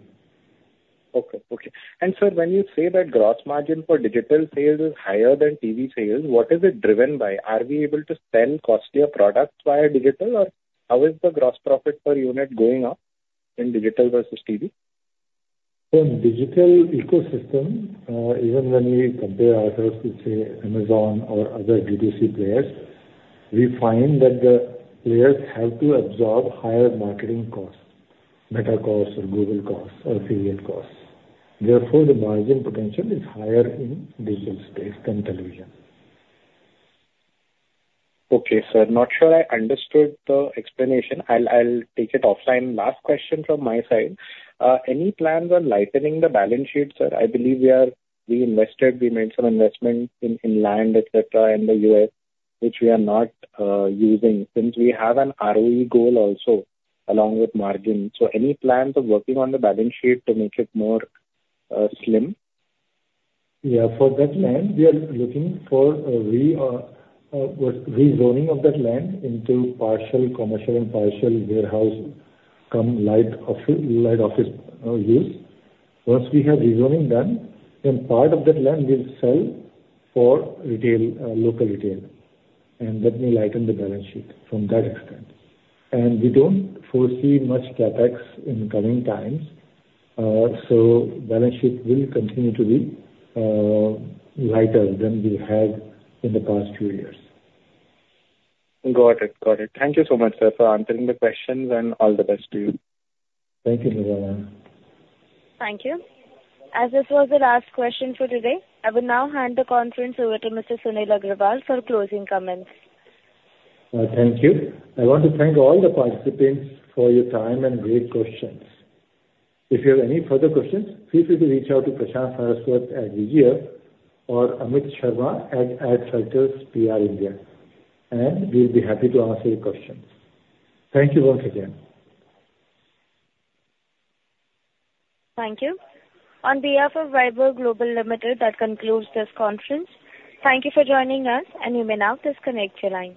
Okay. Okay. And sir, when you say that gross margin for digital sales is higher than TV sales, what is it driven by? Are we able to sell costlier products via digital, or how is the gross profit per unit going up in digital versus TV? So in digital ecosystem, even when we compare ourselves to, say, Amazon or other B2C players, we find that the players have to absorb higher marketing costs, Meta costs or Google costs or affiliate costs. Therefore, the margin potential is higher in digital space than television. Okay, sir. Not sure I understood the explanation. I'll take it offline. Last question from my side. Any plans on lightening the balance sheet, sir? I believe we invested, we made some investment in land, etc., in the U.S., which we are not using since we have an ROE goal also along with margin. So any plans of working on the balance sheet to make it more slim? Yeah. For that land, we are looking for rezoning of that land into partial commercial and partial warehouse-cum-light office use. Once we have rezoning done, then part of that land will sell for local retail. And that may lighten the balance sheet from that extent. And we don't foresee much CapEx in coming times, so balance sheet will continue to be lighter than we had in the past few years. Got it. Got it. Thank you so much, sir, for answering the questions, and all the best to you. Thank you, Nirvana. Thank you. As this was the last question for today, I will now hand the conference over to Mr. Sunil Agrawal for closing comments. Thank you. I want to thank all the participants for your time and great questions. If you have any further questions, feel free to reach out to Prashant Saraswat at VGL or Amit Sharma at Adfactors PR India, and we'll be happy to answer your questions. Thank you once again. Thank you. On behalf of Vaibhav Global Limited, that concludes this conference. Thank you for joining us, and you may now disconnect your line.